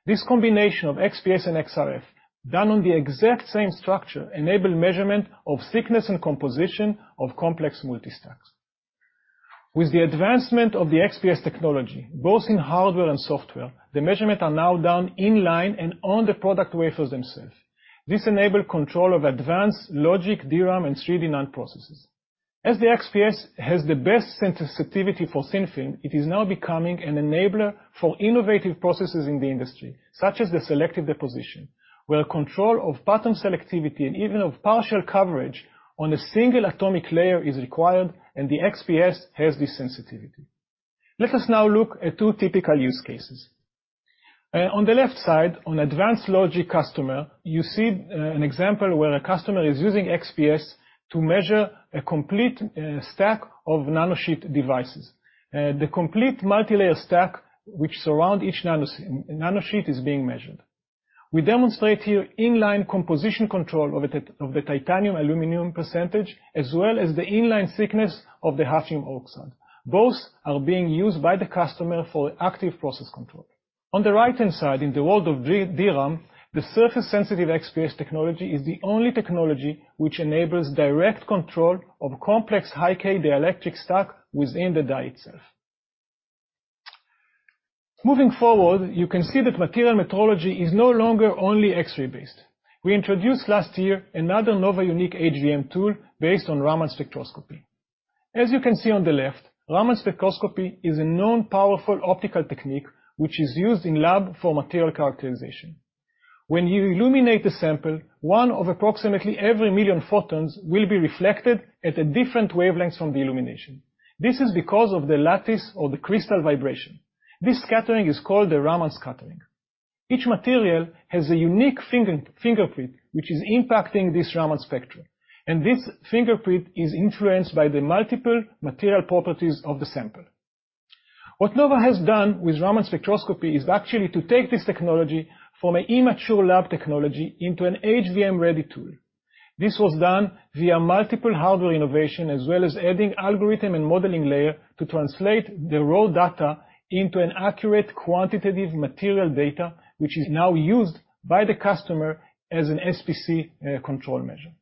This combination of XPS and XRF done on the exact same structure enable measurement of thickness and composition of complex multi-stacks. With the advancement of the XPS technology, both in hardware and software, the measurement are now done in-line and on the product wafers themselves. This enable control of advanced logic DRAM and 3D NAND processes. As the XPS has the best sensitivity for thin film, it is now becoming an enabler for innovative processes in the industry, such as the selective deposition, where control of pattern selectivity and even of partial coverage on a single atomic layer is required and the XPS has this sensitivity. Let us now look at two typical use cases. On the left side, on advanced logic customer, you see an example where a customer is using XPS to measure a complete stack of nanosheet devices. The complete multilayer stack which surround each nanosheet is being measured. We demonstrate here in-line composition control of the titanium aluminum percentage, as well as the in-line thickness of the hafnium oxide. Both are being used by the customer for active process control. On the right-hand side, in the world of DRAM, the surface sensitive XPS technology is the only technology which enables direct control of complex high-k dielectric stack within the die itself. Moving forward, you can see that material metrology is no longer only X-ray based. We introduced last year another Nova unique HVM tool based on Raman spectroscopy. As you can see on the left, Raman spectroscopy is a known powerful optical technique which is used in lab for material characterization. When you illuminate the sample, one of approximately every million photons will be reflected at a different wavelength from the illumination. This is because of the lattice of the crystal vibration. This scattering is called the Raman scattering. Each material has a unique fingerprint, which is impacting this Raman spectrum, and this fingerprint is influenced by the multiple material properties of the sample. What Nova has done with Raman spectroscopy is actually to take this technology from an immature lab technology into an HVM-ready tool. This was done via multiple hardware innovation as well as adding algorithm and modeling layer to translate the raw data into an accurate quantitative material data, which is now used by the customer as an SPC control measure.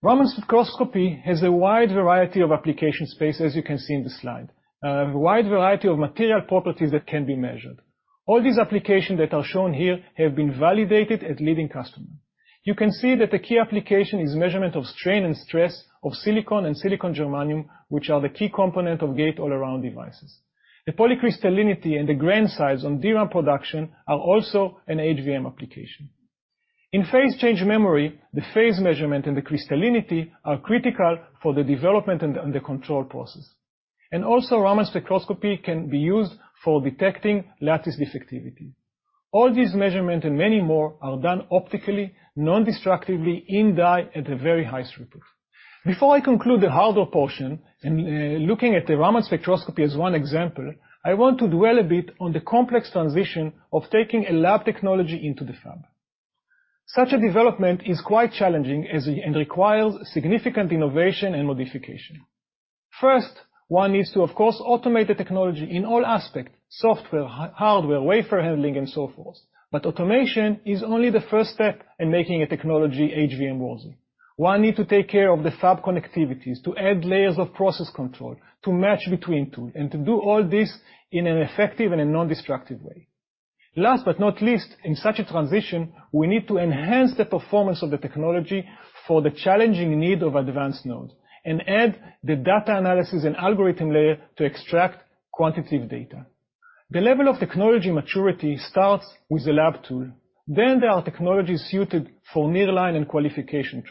Raman spectroscopy has a wide variety of application space, as you can see in the slide, a wide variety of material properties that can be measured. All these applications that are shown here have been validated at leading customers. You can see that the key application is measurement of strain and stress of silicon and silicon germanium, which are the key component of gate-all-around devices. The polycrystallinity and the grain size on DRAM production are also an HVM application. In phase change memory, the phase measurement and the crystallinity are critical for the development and the control process. Also Raman spectroscopy can be used for detecting lattice defectivity. All these measurements and many more are done optically, non-destructively in die at a very high throughput. Before I conclude the hardware portion and looking at the Raman spectroscopy as one example, I want to dwell a bit on the complex transition of taking a lab technology into the fab. Such a development is quite challenging and requires significant innovation and modification. First, one needs to, of course, automate the technology in all aspects, software, hardware, wafer handling, and so forth. automation is only the first step in making a technology HVM-worthy. One needs to take care of the fab connectivities, to add layers of process control, to match between tools, and to do all this in an effective and a non-destructive way. Last but not least, in such a transition, we need to enhance the performance of the technology for the challenging need of advanced nodes and add the data analysis and algorithm layer to extract quantitative data. The level of technology maturity starts with a lab tool. there are technologies suited for near-line and qualification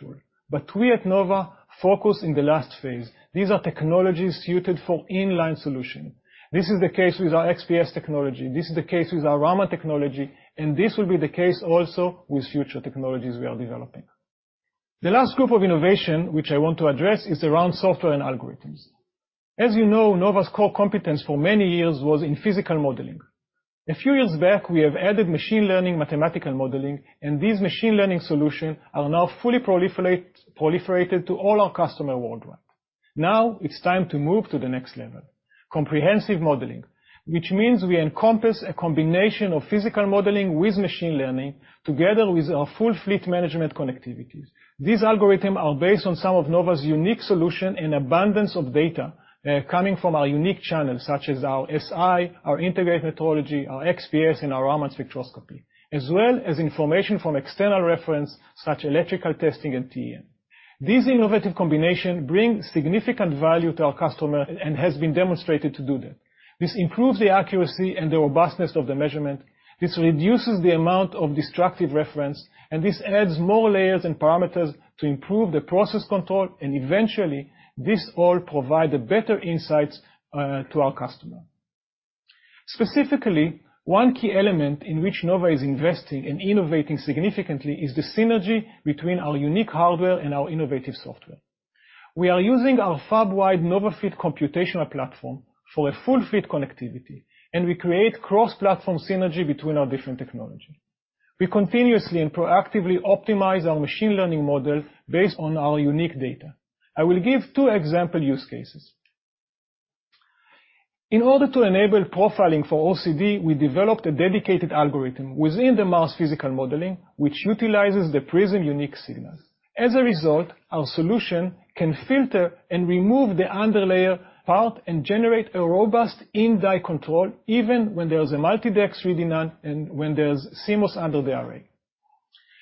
tool. we at Nova focus in the last phase. These are technologies suited for in-line solution. This is the case with our XPS technology. This is the case with our Raman technology, and this will be the case also with future technologies we are developing. The last group of innovation which I want to address is around software and algorithms. As you know, Nova's core competence for many years was in physical modeling. A few years back, we have added machine learning, mathematical modeling, and these machine learning solutions are now fully proliferated to all our customers worldwide. Now it's time to move to the next level, comprehensive modeling, which means we encompass a combination of physical modeling with machine learning together with our full fleet management connectivity. These algorithms are based on some of Nova's unique solutions and abundance of data coming from our unique channels such as our SI, our integrated metrology, our XPS, and our Raman spectroscopy, as well as information from external references such as electrical testing and TEM. This innovative combination brings significant value to our customer and has been demonstrated to do that. This improves the accuracy and the robustness of the measurement. This reduces the amount of destructive reference, and this adds more layers and parameters to improve the process control, and eventually, this all provide a better insights to our customer. Specifically, one key element in which Nova is investing and innovating significantly is the synergy between our unique hardware and our innovative software. We are using our fab-wide NovaFit computational platform for a full fit connectivity, and we create cross-platform synergy between our different technology. We continuously and proactively optimize our machine learning model based on our unique data. I will give two example use cases. In order to enable profiling for OCD, we developed a dedicated algorithm within the MARS physical modeling, which utilizes the Prism unique signals. As a result, our solution can filter and remove the underlayer part and generate a robust in-die control even when there's a multi-deck reading and when there's CMOS under array.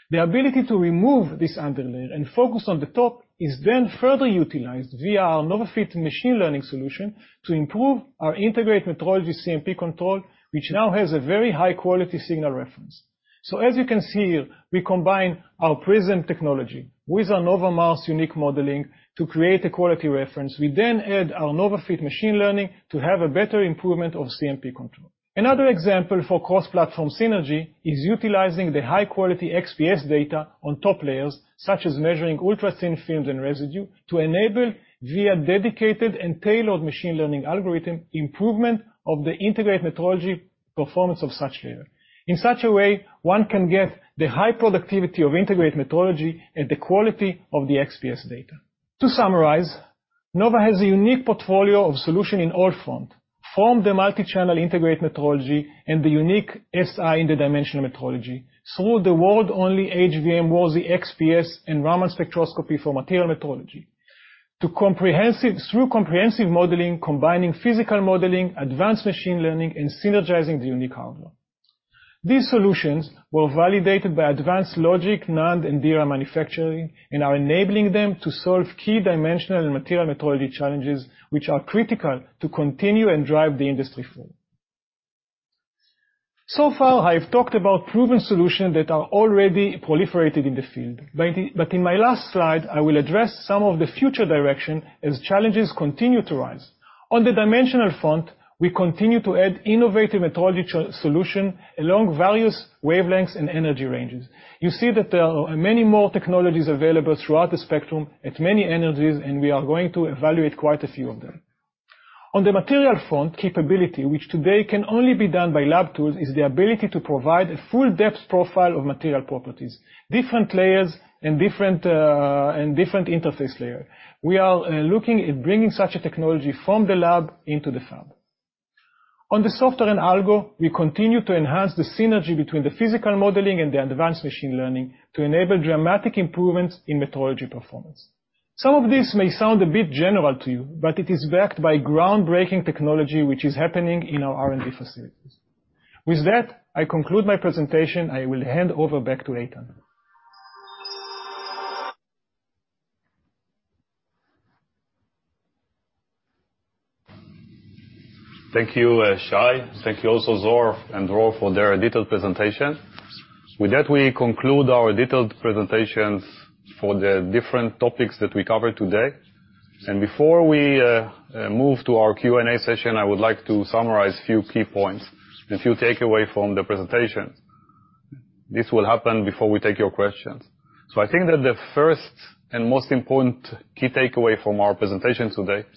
The ability to remove this underlayer and focus on the top is then further utilized via our NovaFit machine learning solution to improve our integrated metrology CMP control, which now has a very high-quality signal reference. As you can see here, we combine our Prism technology with our Nova MARS unique modeling to create a quality reference. We then add our NovaFit machine learning to have a better improvement of CMP control. Another example for cross-platform synergy is utilizing the high-quality XPS data on top layers, such as measuring ultra-thin films and residue to enable via dedicated and tailored machine learning algorithm improvement of the integrated metrology performance of such layer. In such a way, one can get the high productivity of integrated metrology and the quality of the XPS data. To summarize, Nova has a unique portfolio of solutions in all fronts, from the multi-channel integrated metrology and the unique SI in the dimensional metrology, through the world-only HVM-ready, XPS, and Raman spectroscopy for material metrology, through comprehensive modeling, combining physical modeling, advanced machine learning, and synergizing the unique algorithm. These solutions were validated by advanced logic, NAND, and DRAM manufacturing and are enabling them to solve key dimensional and material metrology challenges, which are critical to continue and drive the industry forward. Far, I've talked about proven solutions that are already proliferating in the field. In my last slide, I will address some of the future directions as challenges continue to rise. On the dimensional front, we continue to add innovative metrology solution along various wavelengths and energy ranges. You see that there are many more technologies available throughout the spectrum at many energies, and we are going to evaluate quite a few of them. On the material front capability, which today can only be done by lab tools, is the ability to provide a full depth profile of material properties, different layers, and different interface layer. We are looking at bringing such a technology from the lab into the fab. On the software an d algo, we continue to enhance the synergy between the physical modeling and the advanced machine learning to enable dramatic improvements in metrology performance. Some of this may sound a bit general to you, but it is backed by groundbreaking technology, which is happening in our R&D facilities. With that, I conclude my presentation, and I will hand over back to Eitan. Thank you, Shay. Thank you also, Zohar and Dror, for their detailed presentation. With that, we conclude our detailed presentations for the different topics that we covered today. Before we move to our Q&A session, I would like to summarize a few key points, a few takeaway from the presentation. This will happen before we take your questions. I think that the first and most important key takeaway from our presentation today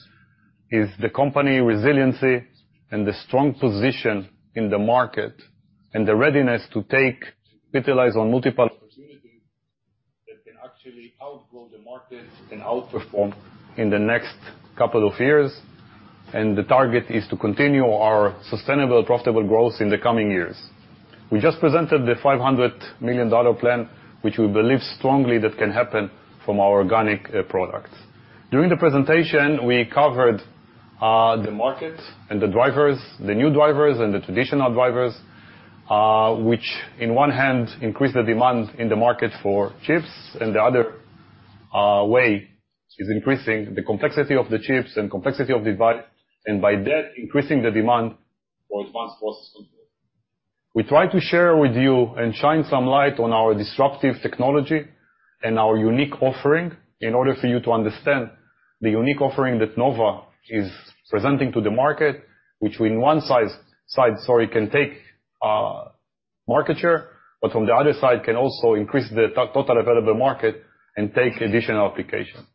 is the company resiliency and the strong position in the market, and the readiness to take, utilize on multiple opportunities that can actually outgrow the market and outperform in the next couple of years. The target is to continue our sustainable profitable growth in the coming years. We just presented the $500 million plan, which we believe strongly that can happen from our organic products. During the presentation, we covered the market and the drivers, the new drivers and the traditional drivers, which on one hand, increase the demand in the market for chips, and the other way is increasing the complexity of the chips and complexity of device, and by that, increasing the demand for advanced processes. We try to share with you and shine some light on our disruptive technology and our unique offering in order for you to understand the unique offering that Nova is presenting to the market, which in one side story can take market share, but on the other side, can also increase the total available market and take additional application.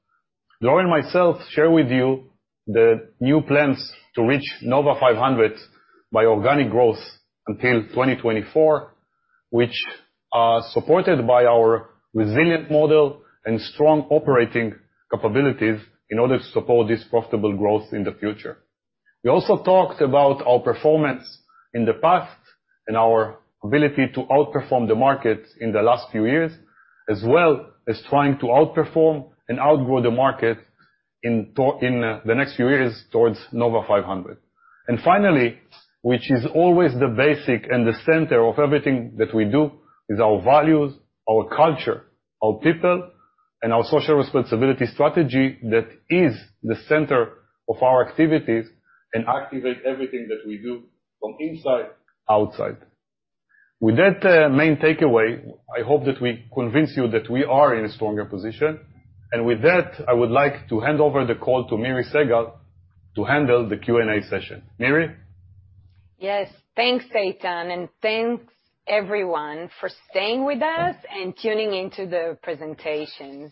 Dror David and myself share with you the new plans to reach Nova 500 by organic growth until 2024, which are supported by our resilient model and strong operating capabilities in order to support this profitable growth in the future. We also talked about our performance in the past and our ability to outperform the market in the last few years, as well as trying to outperform and outgrow the market in the next few years towards Nova 500. Finally, which is always the basic and the center of everything that we do, is our values, our culture, our people, and our social responsibility strategy that is the center of our activities and activate everything that we do from inside, outside. With that main takeaway, I hope that we convince you that we are in a stronger position. With that, I would like to hand over the call to Miri Segal to handle the Q&A session. Miri? Yes. Thanks, Eitan, and thanks everyone for staying with us and tuning into the presentations.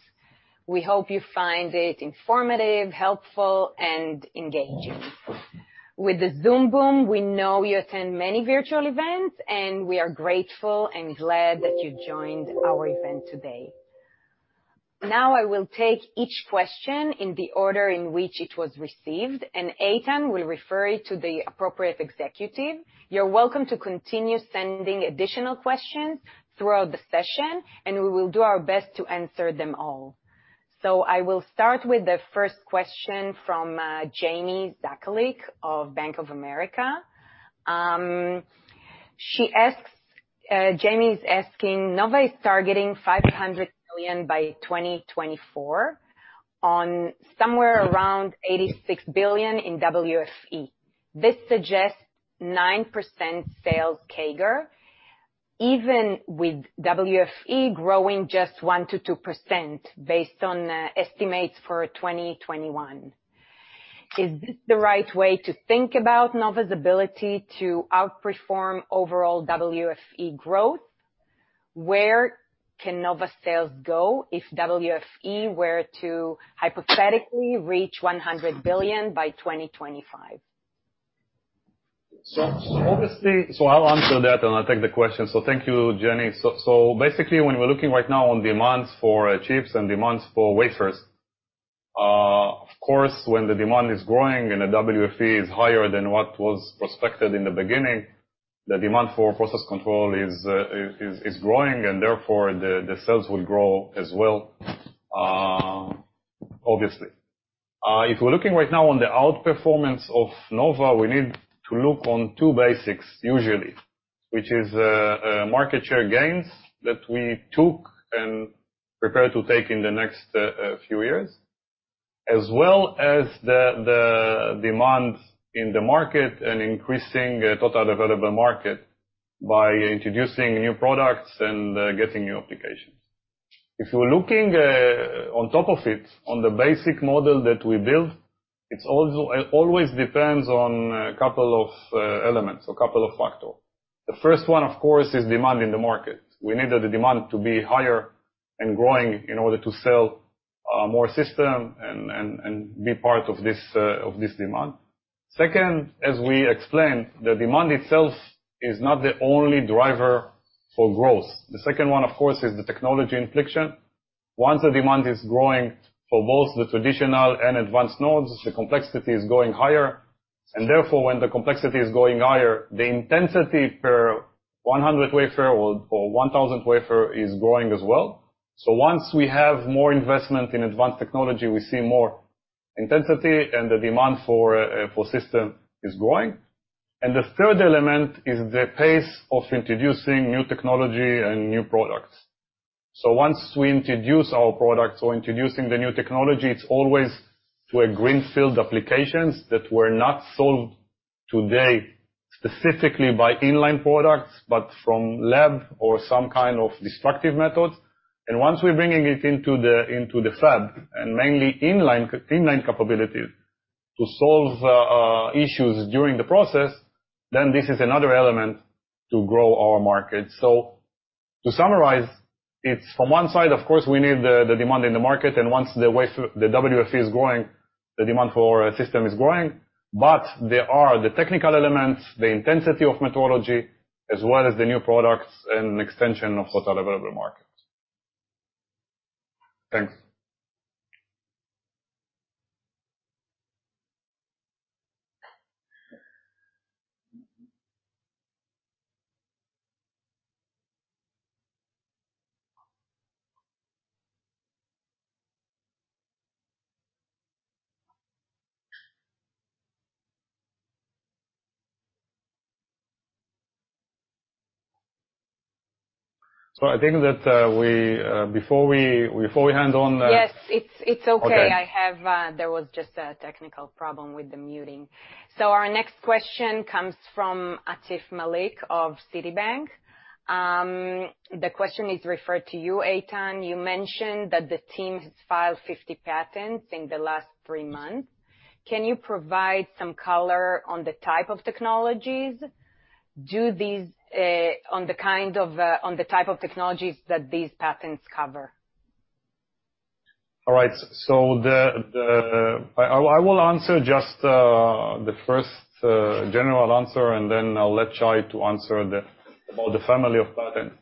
We hope you find it informative, helpful, and engaging. With the Zoom boom, we know you attend many virtual events, and we are grateful and glad that you joined our event today. Now, I will take each question in the order in which it was received, and Eitan will refer you to the appropriate executive. You're welcome to continue sending additional questions throughout the session, and we will do our best to answer them all. I will start with the first question from Jamie Zakalik of Bank of America. Jamie is asking, Nova is targeting $500 million by 2024 on somewhere around $86 billion in WFE. This suggests 9% sales CAGR even with WFE growing just 1%-2%, based on estimates for 2021. Is this the right way to think about Nova's ability to outperform overall WFE growth? Where can Nova sales go if WFE were to hypothetically reach $100 billion by 2025? I'll answer that, and I'll take the question. Thank you, Jamie Zakalik. Basically, when we're looking right now on demands for chips and demands for wafers, of course, when the demand is growing and the WFE is higher than what was prospective in the beginning, the demand for process control is growing, and therefore the sales will grow as well, obviously. If we're looking right now on the outperformance of Nova, we need to look on two basics usually, which is market share gains that we took and prepare to take in the next few years, as well as the demand in the market and increasing total available market by introducing new products and getting new applications. If you're looking on top of it, on the basic model that we built, it always depends on a couple of elements, a couple of factors. The first one, of course, is demand in the market. We need the demand to be higher and growing in order to sell more system and be part of this demand. Second, as we explained, the demand itself is not the only driver for growth. The second one, of course, is the technology inflection. Once the demand is growing for both the traditional and advanced nodes, the complexity is going higher, and therefore, when the complexity is going higher, the intensity per 100 wafer or 1,000 wafer is growing as well. Once we have more investment in advanced technology, we see more intensity, and the demand for system is growing. The third element is the pace of introducing new technology and new products. Once we introduce our products or introducing the new technology, it is always to a greenfield applications that were not sold today specifically by in-line products, but from lab or some kind of destructive methods. Once we are bringing it into the fab, and mainly in-line capability to solve issues during the process, this is another element to grow our market. To summarize, it is from one side, of course, we need the demand in the market, and once the WFE is growing, the demand for our system is growing. There are the technical elements, the intensity of metrology, as well as the new products and extension of Total Available Markets. Thanks. Yes. It's okay. Okay. There was just a technical problem with the muting. Our next question comes from Atif Malik of Citigroup. The question is referred to you, Eitan. You mentioned that the team has filed 50 patents in the last three months. Can you provide some color on the type of technologies that these patents cover? All right. I will answer just the first general answer, and then I'll let Shay Wolfling to answer about the family of patents.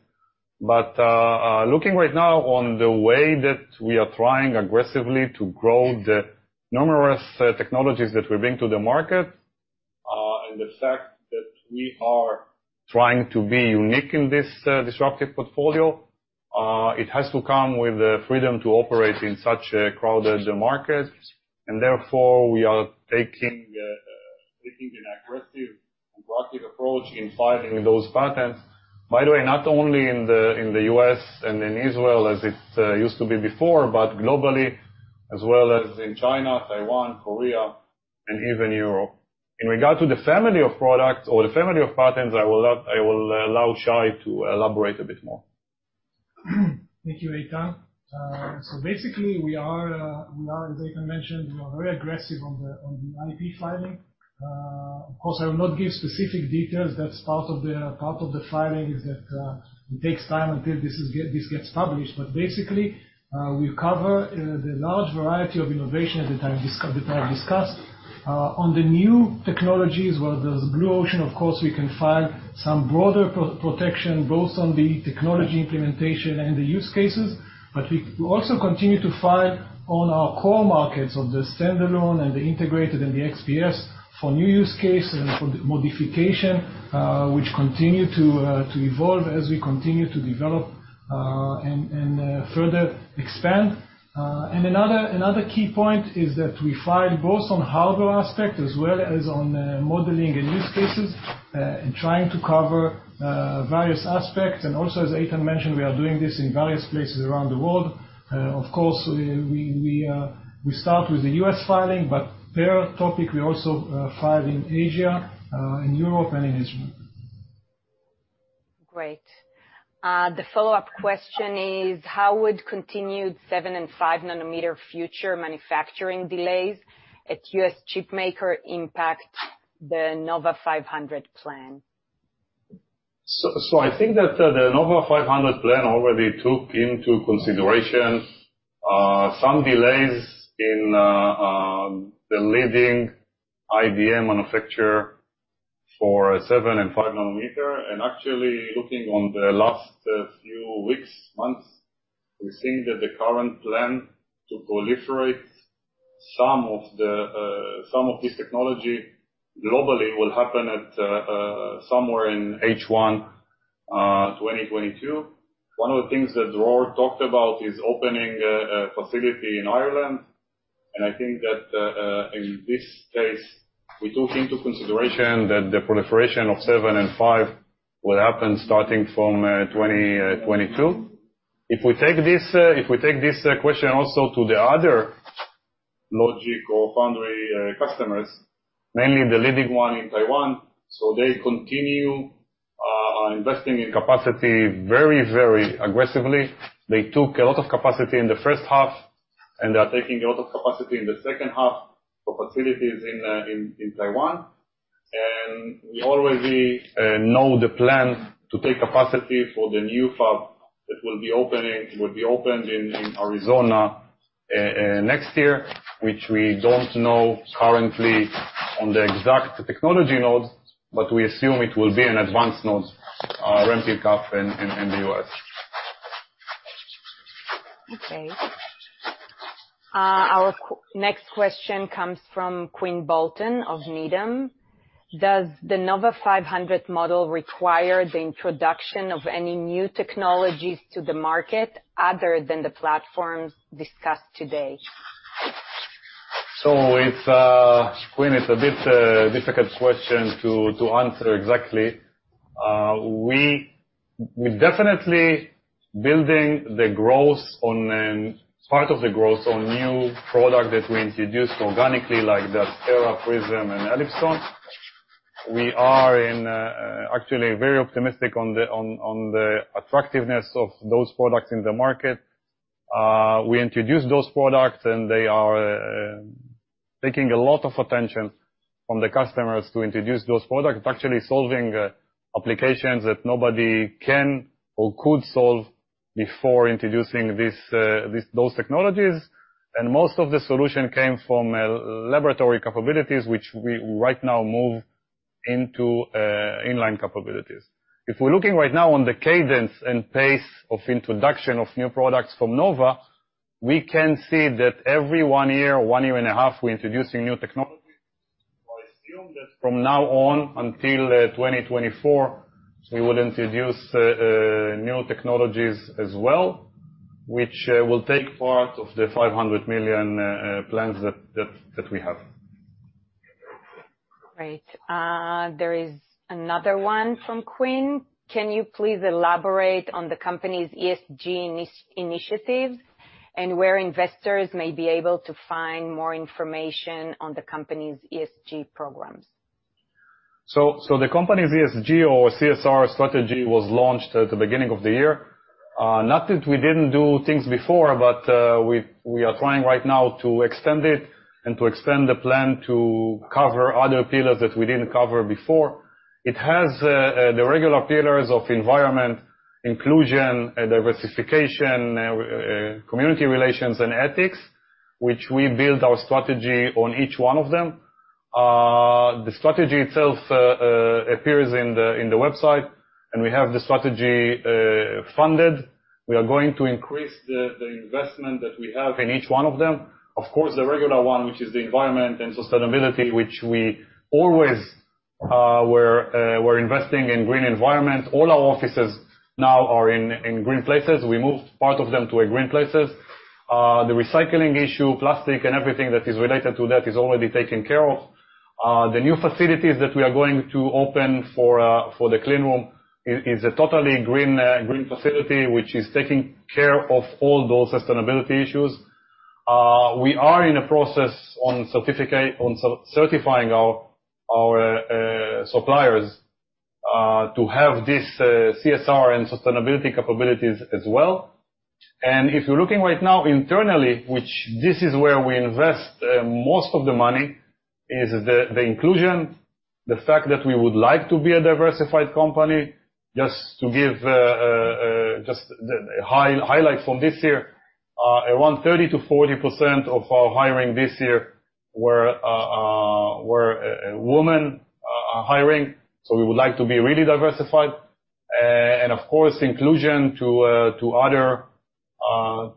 Looking right now on the way that we are trying aggressively to grow the numerous technologies that we bring to the market, and the fact that we are trying to be unique in this disruptive portfolio, it has to come with the freedom to operate in such a crowded market, and therefore we are taking an aggressive, proactive approach in filing those patents. By the way, not only in the U.S. and in Israel as it used to be before, but globally as well as in China, Taiwan, Korea, and even Europe. In regard to the family of products or the family of patents, I will allow Shay Wolfling to elaborate a bit more. Thank you, Eitan. Basically, as Eitan mentioned, we are very aggressive on the IP filing. Of course, I will not give specific details. That's part of the filings that takes time until this gets published. Basically, we cover the large variety of innovation that I discussed. On the new technologies, where there's blue ocean, of course, we can file some broader protection, both on the technology implementation and the use cases. We also continue to file on our core markets of the standalone and the integrated and the XPS for new use cases and for the modification, which continue to evolve as we continue to develop, and further expand. Another key point is that we file both on hardware aspect as well as on modeling and use cases, and trying to cover various aspects. Also, as Eitan mentioned, we are doing this in various places around the world. Of course, we start with the U.S. filing, but parallel topic, we also file in Asia, in Europe, and in Israel. Great. The follow-up question is: how would continued seven and five nanometer future manufacturing delays at U.S. chipmaker impact the NOVA500 plan? I think that the NOVA500 plan already took into consideration some delays in the leading TSMC manufacturer for seven and five nanometer. Actually, looking on the last few weeks, months, we're seeing that the current plan to proliferate some of this technology globally will happen somewhere in H1 2022. One of the things that Dror talked about is opening a facility in Ireland, and I think that, in this case, we took into consideration that the proliferation of seven and five will happen starting from 2022. If we take this question also to the other logic or foundry customers, mainly the leading one in Taiwan, they continue investing in capacity very aggressively. They took a lot of capacity in the first half, and they're taking a lot of capacity in the second half of facilities in Taiwan. we already know the plan to take capacity for the new fab that will be opened in Arizona next year, which we don't know currently on the exact technology nodes, but we assume it will be an advanced node ramped up in the US. Okay. Our next question comes from Quinn Bolton of Needham. Does the NOVA500 model require the introduction of any new technologies to the market other than the platforms discussed today? Quinn, it's a bit difficult question to answer exactly. We're definitely building part of the growth on new product that we introduced organically, like the ASTERA, Prism, and ancosys. We are actually very optimistic on the attractiveness of those products in the market. We introduced those products, and they are taking a lot of attention from the customers to introduce those products, actually solving applications that nobody can or could solve before introducing those technologies. Most of the solution came from laboratory capabilities, which we right now move into inline capabilities. If we're looking right now on the cadence and pace of introduction of new products from Nova, we can see that every one year, one year and a half, we're introducing new technology. I assume that from now on, until 2024, we will introduce new technologies as well, which will take part of the $500 million plans that we have. Great. There is another one from Quinn. Can you please elaborate on the company's ESG initiatives and where investors may be able to find more information on the company's ESG programs? The company's ESG or CSR strategy was launched at the beginning of the year. Not that we didn't do things before, but we are trying right now to extend it and to extend the plan to cover other pillars that we didn't cover before. It has the regular pillars of environment, inclusion and diversification, community relations, and ethics, which we build our strategy on each one of them. The strategy itself appears in the website, and we have the strategy funded. We are going to increase the investment that we have in each one of them. Of course, the regular one, which is the environment and sustainability, which we always were investing in green environment. All our offices now are in green places. We moved part of them to green places. The recycling issue, plastic, and everything that is related to that is already taken care of. The new facilities that we are going to open for the clean room is a totally green facility, which is taking care of all those sustainability issues. We are in a process on certifying our suppliers to have this CSR and sustainability capabilities as well. If you're looking right now internally, which this is where we invest most of the money, is the inclusion, the fact that we would like to be a diversified company. Just to give the highlights from this year, around 30%-40% of our hiring this year were woman hiring. We would like to be really diversified and, of course, inclusion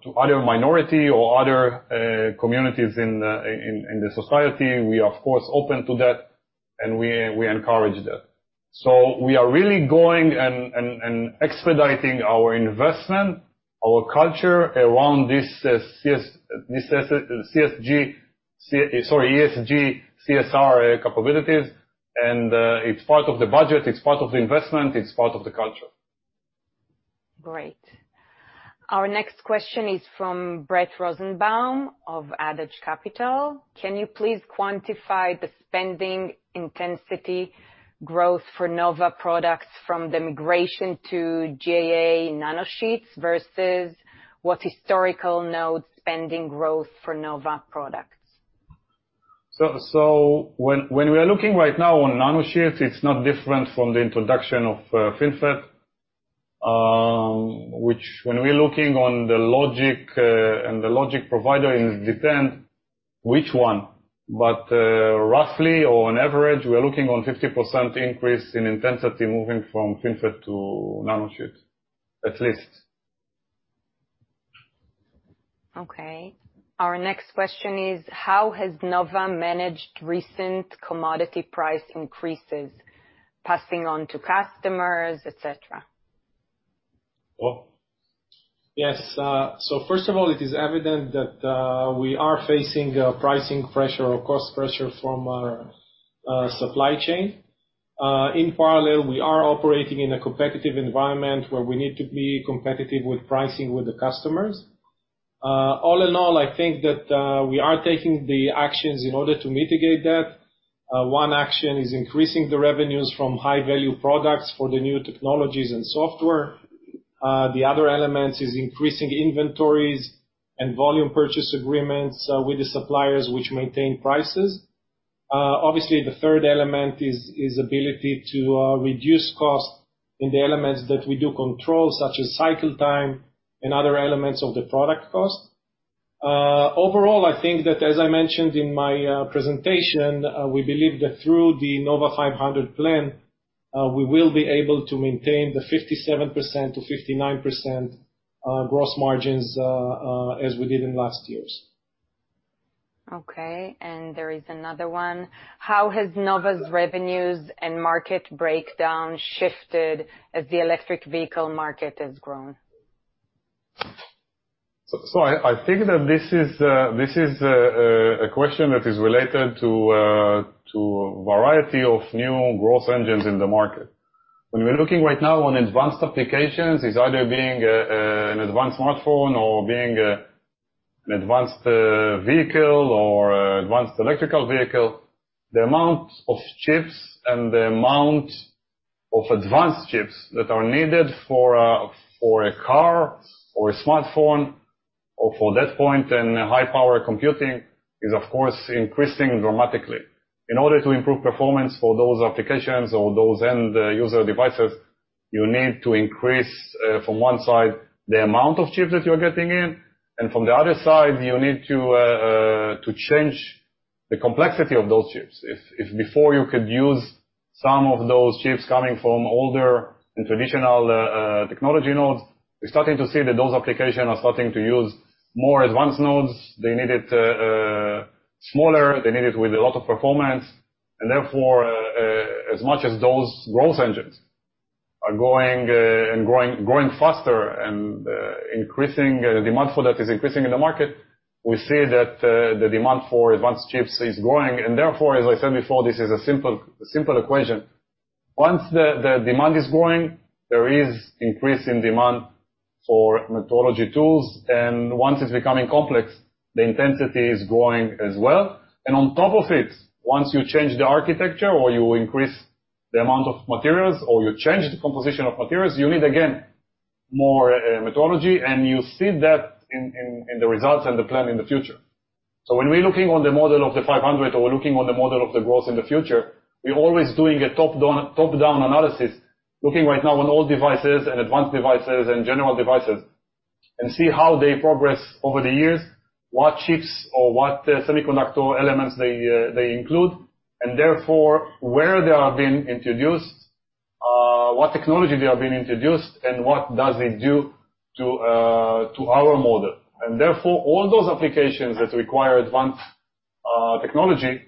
to other minority or other communities in the society. We are, of course, open to that, and we encourage that. We are really going and expediting our investment, our culture around these ESG CSR capabilities, and it's part of the budget, it's part of the investment, it's part of the culture. Great. Our next question is from Brett Rosenbaum of Adage Capital. Can you please quantify the spending intensity growth for Nova products from the migration to GAA nanosheets versus what historical node spending growth for Nova products? when we're looking right now on nanosheets, it's not different from the introduction of FinFET, which when we're looking on the logic, and the logic provider is depend which one. roughly on average, we're looking on 50% increase in intensity moving from FinFET to nanosheets, at least. Okay. Our next question is: How has Nova managed recent commodity price increases passing on to customers, et cetera? Well, yes. First of all, it is evident that we are facing pricing pressure or cost pressure from our supply chain. In parallel, we are operating in a competitive environment where we need to be competitive with pricing with the customers. All in all, I think that we are taking the actions in order to mitigate that. One action is increasing the revenues from high-value products for the new technologies and software. The other elements is increasing inventories and volume purchase agreements with the suppliers which maintain prices. Obviously, the third element is ability to reduce cost in the elements that we do control, such as cycle time and other elements of the product cost. Overall, I think that, as I mentioned in my presentation, we believe that through the Nova 500 plan, we will be able to maintain the 57%-59% gross margins as we did in last years. Okay, there is another one. How has Nova's revenues and market breakdown shifted as the electric vehicle market has grown? I think that this is a question that is related to a variety of new growth engines in the market. When we're looking right now on advanced applications, it's either being an advanced smartphone or being an advanced vehicle or advanced electrical vehicle. The amount of chips and the amount of advanced chips that are needed for a car or a smartphone or for that point in high-power computing is, of course, increasing dramatically. In order to improve performance for those applications or those end user devices, you need to increase, from one side, the amount of chip that you're getting in, and from the other side, you need to change the complexity of those chips. If before you could use some of those chips coming from older and traditional technology nodes, we're starting to see that those applications are starting to use more advanced nodes. They need it smaller, they need it with a lot of performance, and therefore, as much as those growth engines are going and growing faster and demand for that is increasing in the market, we see that the demand for advanced chips is growing. Therefore, as I said before, this is a simple equation. Once the demand is growing, there is increase in demand for metrology tools, and once it's becoming complex, the intensity is growing as well. On top of it, once you change the architecture or you increase the amount of materials, or you change the composition of materials, you need, again, more metrology, and you see that in the results and the plan in the future. when we're looking on the model of the 500 or looking on the model of the growth in the future, we're always doing a top-down analysis, looking right now on old devices and advanced devices and general devices, and see how they progress over the years, what chips or what semiconductor elements they include, and therefore, where they are being introduced, what technology they are being introduced, and what does it do to our model. therefore, all those applications that require advanced technology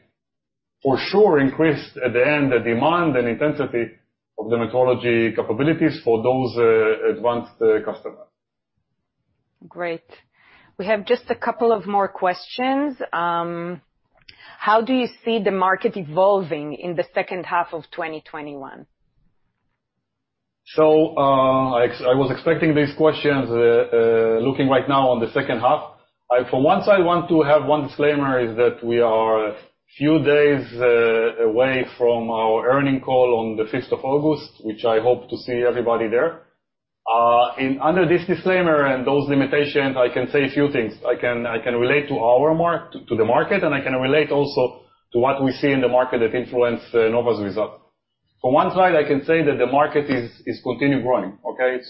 for sure increase at the end, the demand and intensity of the metrology capabilities for those advanced customers. Great. We have just a couple of more questions. How do you see the market evolving in the second half of 2021? I was expecting these questions. Looking right now on the second half, for once, I want to have one disclaimer is that we are a few days away from our earnings call on the 5th of August. Which I hope to see everybody there. Under this disclaimer and those limitations, I can say a few things. I can relate to the market, and I can relate also to what we see in the market that influence Nova's result. From one side, I can say that the market is continuing growing, okay?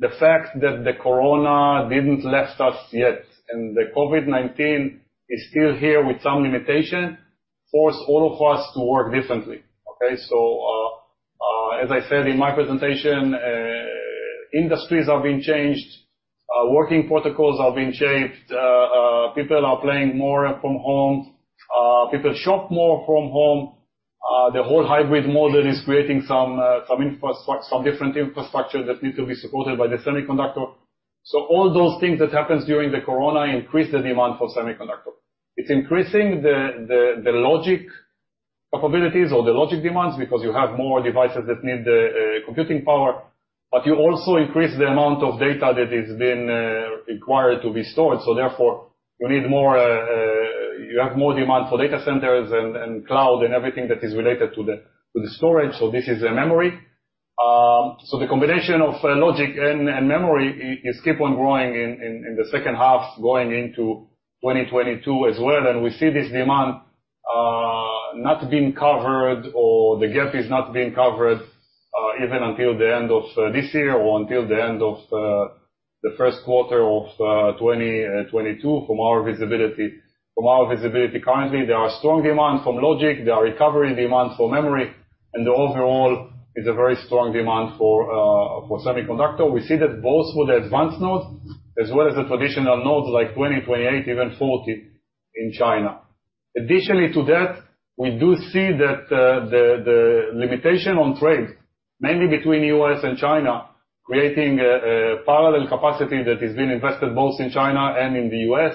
The fact that the corona didn't left us yet, and the COVID-19 is still here with some limitation, forced all of us to work differently. Okay? As I said in my presentation, industries have been changed, working protocols have been changed. People are playing more from home. People shop more from home. The whole hybrid model is creating some different infrastructure that need to be supported by the semiconductor. all those things that happens during the corona increase the demand for semiconductor. It's increasing the logic capabilities or the logic demands because you have more devices that need the computing power, but you also increase the amount of data that is being required to be stored. Therefore, you have more demand for data centers and cloud and everything that is related to the storage. This is a memory. The combination of logic and memory keeps on growing in the second half going into 2022 as well. We see this demand not being covered or the gap is not being covered even until the end of this year or until the end of the first quarter of 2022 from our visibility. From our visibility currently, there are strong demands from logic, there are recovery demands from memory, and the overall is a very strong demand for semiconductor. We see that both for the advanced nodes as well as the traditional nodes like 20, 28, even 40 in China. Additionally to that, we do see that the limitation on trade, mainly between U.S. and China, creating a parallel capacity that is being invested both in China and in the U.S.,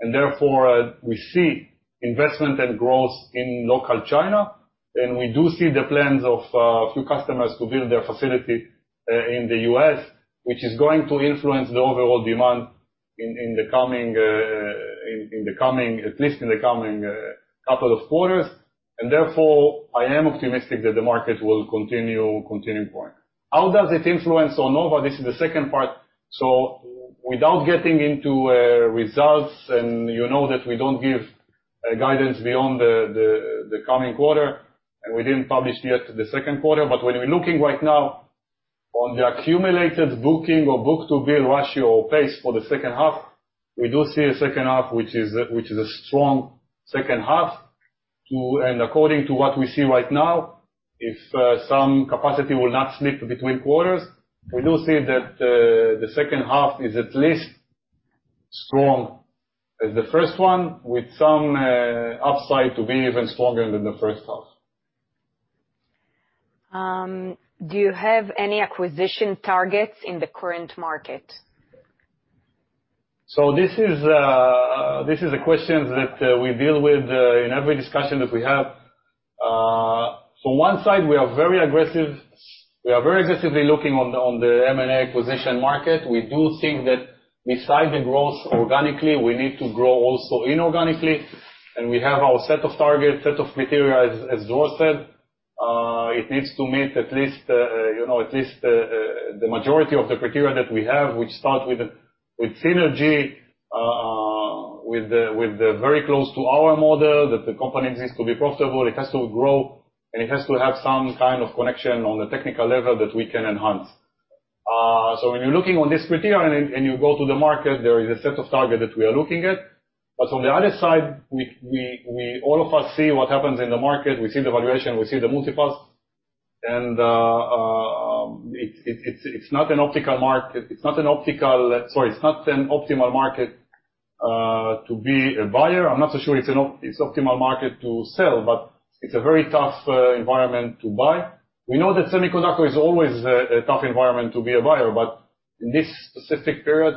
and therefore we see investment and growth in local China. We do see the plans of a few customers to build their facility in the U.S., which is going to influence the overall demand at least in the coming couple of quarters, and therefore I am optimistic that the market will continue growing. How does it influence on Nova? This is the second part. Without getting into results, and you know that we don't give guidance beyond the coming quarter, and we didn't publish yet the second quarter. when we're looking right now on the accumulated booking or book to bill ratio or pace for the second half, we do see a second half which is a strong second half. according to what we see right now, if some capacity will not slip between quarters, we do see that the second half is at least strong as the first one, with some upside to being even stronger than the first half. Do you have any acquisition targets in the current market? This is a question that we deal with in every discussion that we have. One side, we are very aggressively looking on the M&A acquisition market. We do think that beside the growth organically, we need to grow also inorganically, and we have our set of target, set of criteria, as Dror David said. It needs to meet at least the majority of the criteria that we have, which start with synergy, with the very close to our model, that the company needs to be profitable, it has to grow, and it has to have some kind of connection on the technical level that we can enhance. When you're looking on this criteria and you go to the market, there is a set of target that we are looking at. On the other side, all of us see what happens in the market. We see the valuation, we see the multiples, and it's not an optimal market to be a buyer. I'm not so sure it's optimal market to sell, but it's a very tough environment to buy. We know that semiconductor is always a tough environment to be a buyer, but in this specific period,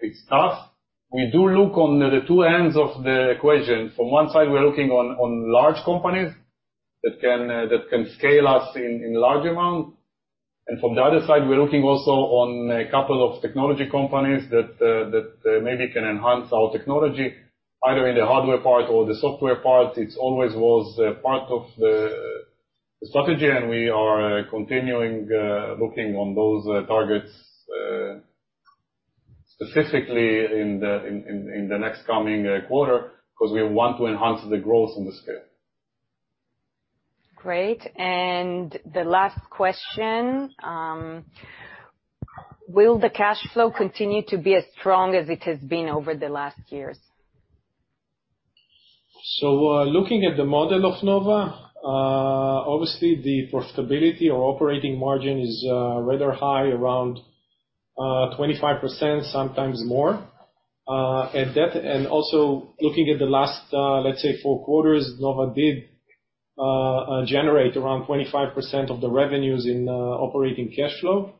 it's tough. We do look on the two ends of the equation. From one side, we're looking on large companies that can scale us in large amount. From the other side, we're looking also on a couple of technology companies that maybe can enhance our technology, either in the hardware part or the software part. It always was a part of the strategy, and we are continuing looking on those targets specifically in the next coming quarter because we want to enhance the growth and the scale. Great. The last question, will the cash flow continue to be as strong as it has been over the last years? Looking at the model of Nova, obviously the profitability or operating margin is rather high, around 25%, sometimes more. Also looking at the last, let's say four quarters, Nova did generate around 25% of the revenues in operating cash flow.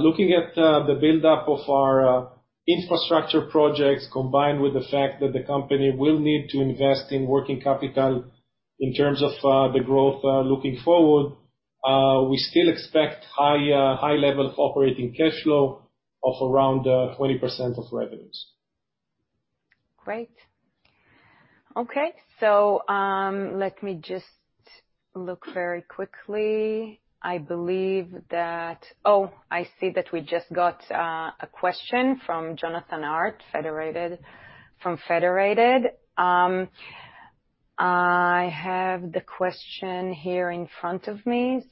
Looking at the build-up of our infrastructure projects combined with the fact that the company will need to invest in working capital in terms of the growth looking forward, we still expect high level of operating cash flow of around 20% of revenues. Great. Okay. Let me just look very quickly. Oh, I see that we just got a question from Jonathan Ark from Federated. I have the question here in front of me.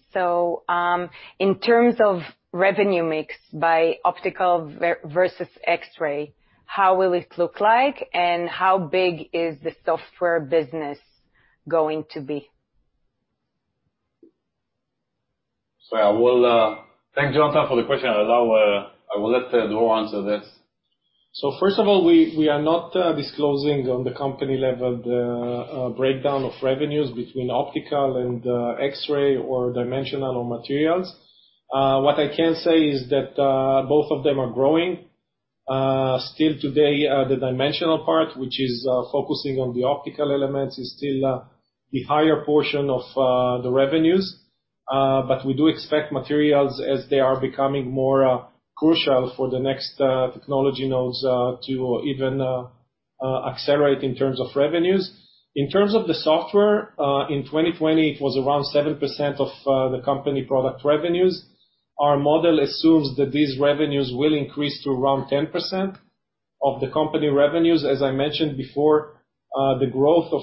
In terms of revenue mix by optical versus X-ray, how will it look like and how big is the software business going to be? I will thank Jonathan for the question, and I will let Dror answer this. first of all, we are not disclosing on the company level the breakdown of revenues between optical and X-ray or dimensional materials. What I can say is that both of them are growing Still today, the dimensional part, which is focusing on the optical elements, is still the higher portion of the revenues. We do expect materials as they are becoming more crucial for the next technology nodes to even accelerate in terms of revenues. In terms of the software, in 2020, it was around 7% of the company product revenues. Our model assumes that these revenues will increase to around 10% of the company revenues. As I mentioned before, the growth of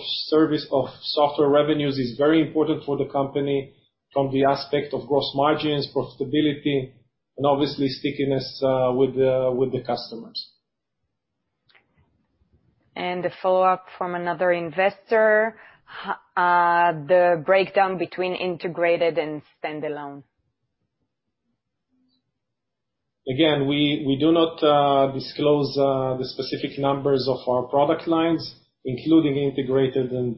software revenues is very important for the company from the aspect of gross margins, profitability, and obviously stickiness with the customers. a follow-up from another investor, the breakdown between integrated and standalone. Again, we do not disclose the specific numbers of our product lines, including integrated and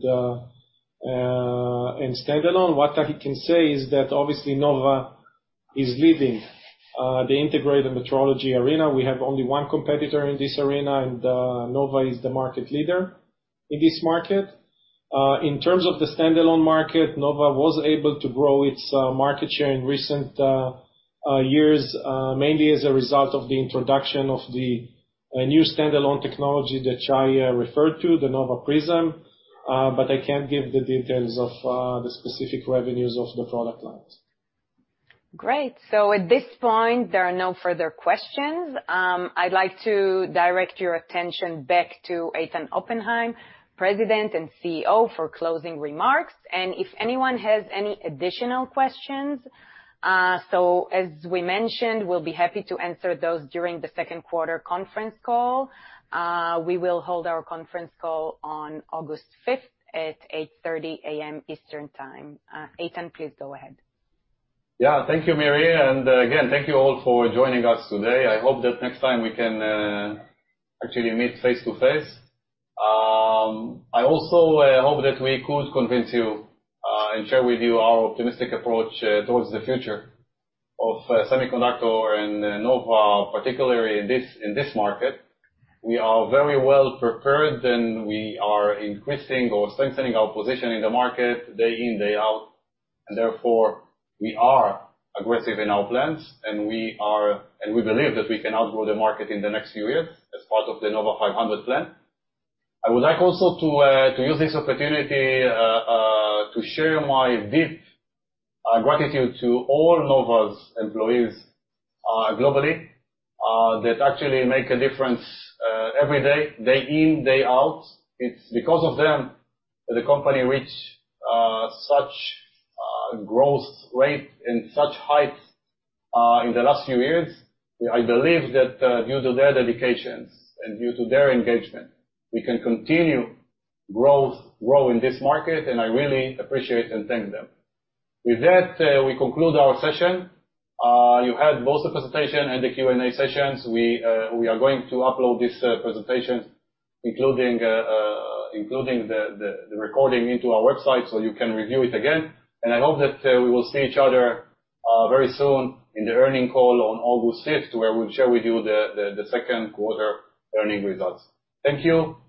standalone. What I can say is that obviously Nova is leading the integrated metrology arena. We have only one competitor in this arena, and Nova is the market leader in this market. In terms of the standalone market, Nova was able to grow its market share in recent years, mainly as a result of the introduction of the new standalone technology that Shay referred to, the Nova Prism, but I can't give the details of the specific revenues of the product lines. Great. At this point, there are no further questions. I'd like to direct your attention back to Eitan Oppenhaim, President and CEO, for closing remarks. If anyone has any additional questions, so as we mentioned, we'll be happy to answer those during the second quarter conference call. We will hold our conference call on August fifth at 8:30 A.M. Eastern time. Eitan, please go ahead. Yeah. Thank you, Miri Segal. Again, thank you all for joining us today. I hope that next time we can actually meet face to face. I also hope that we could convince you and share with you our optimistic approach towards the future of semiconductor and Nova, particularly in this market. We are very well prepared, and we are increasing or strengthening our position in the market day in, day out. Therefore, we are aggressive in our plans, and we believe that we can outgrow the market in the next few years as part of the Nova 500 plan. I would like also to use this opportunity to share my deep gratitude to all Nova's employees globally that actually make a difference every day in, day out. It's because of them that the company reached such growth rate and such height in the last few years. I believe that due to their dedication and due to their engagement, we can continue growth, grow in this market, and I really appreciate and thank them. With that, we conclude our session. You had both the presentation and the Q&A sessions. We are going to upload this presentation, including the recording into our website, so you can review it again. I hope that we will see each other very soon in the earnings call on August fifth, where we'll share with you the second quarter earnings results. Thank you.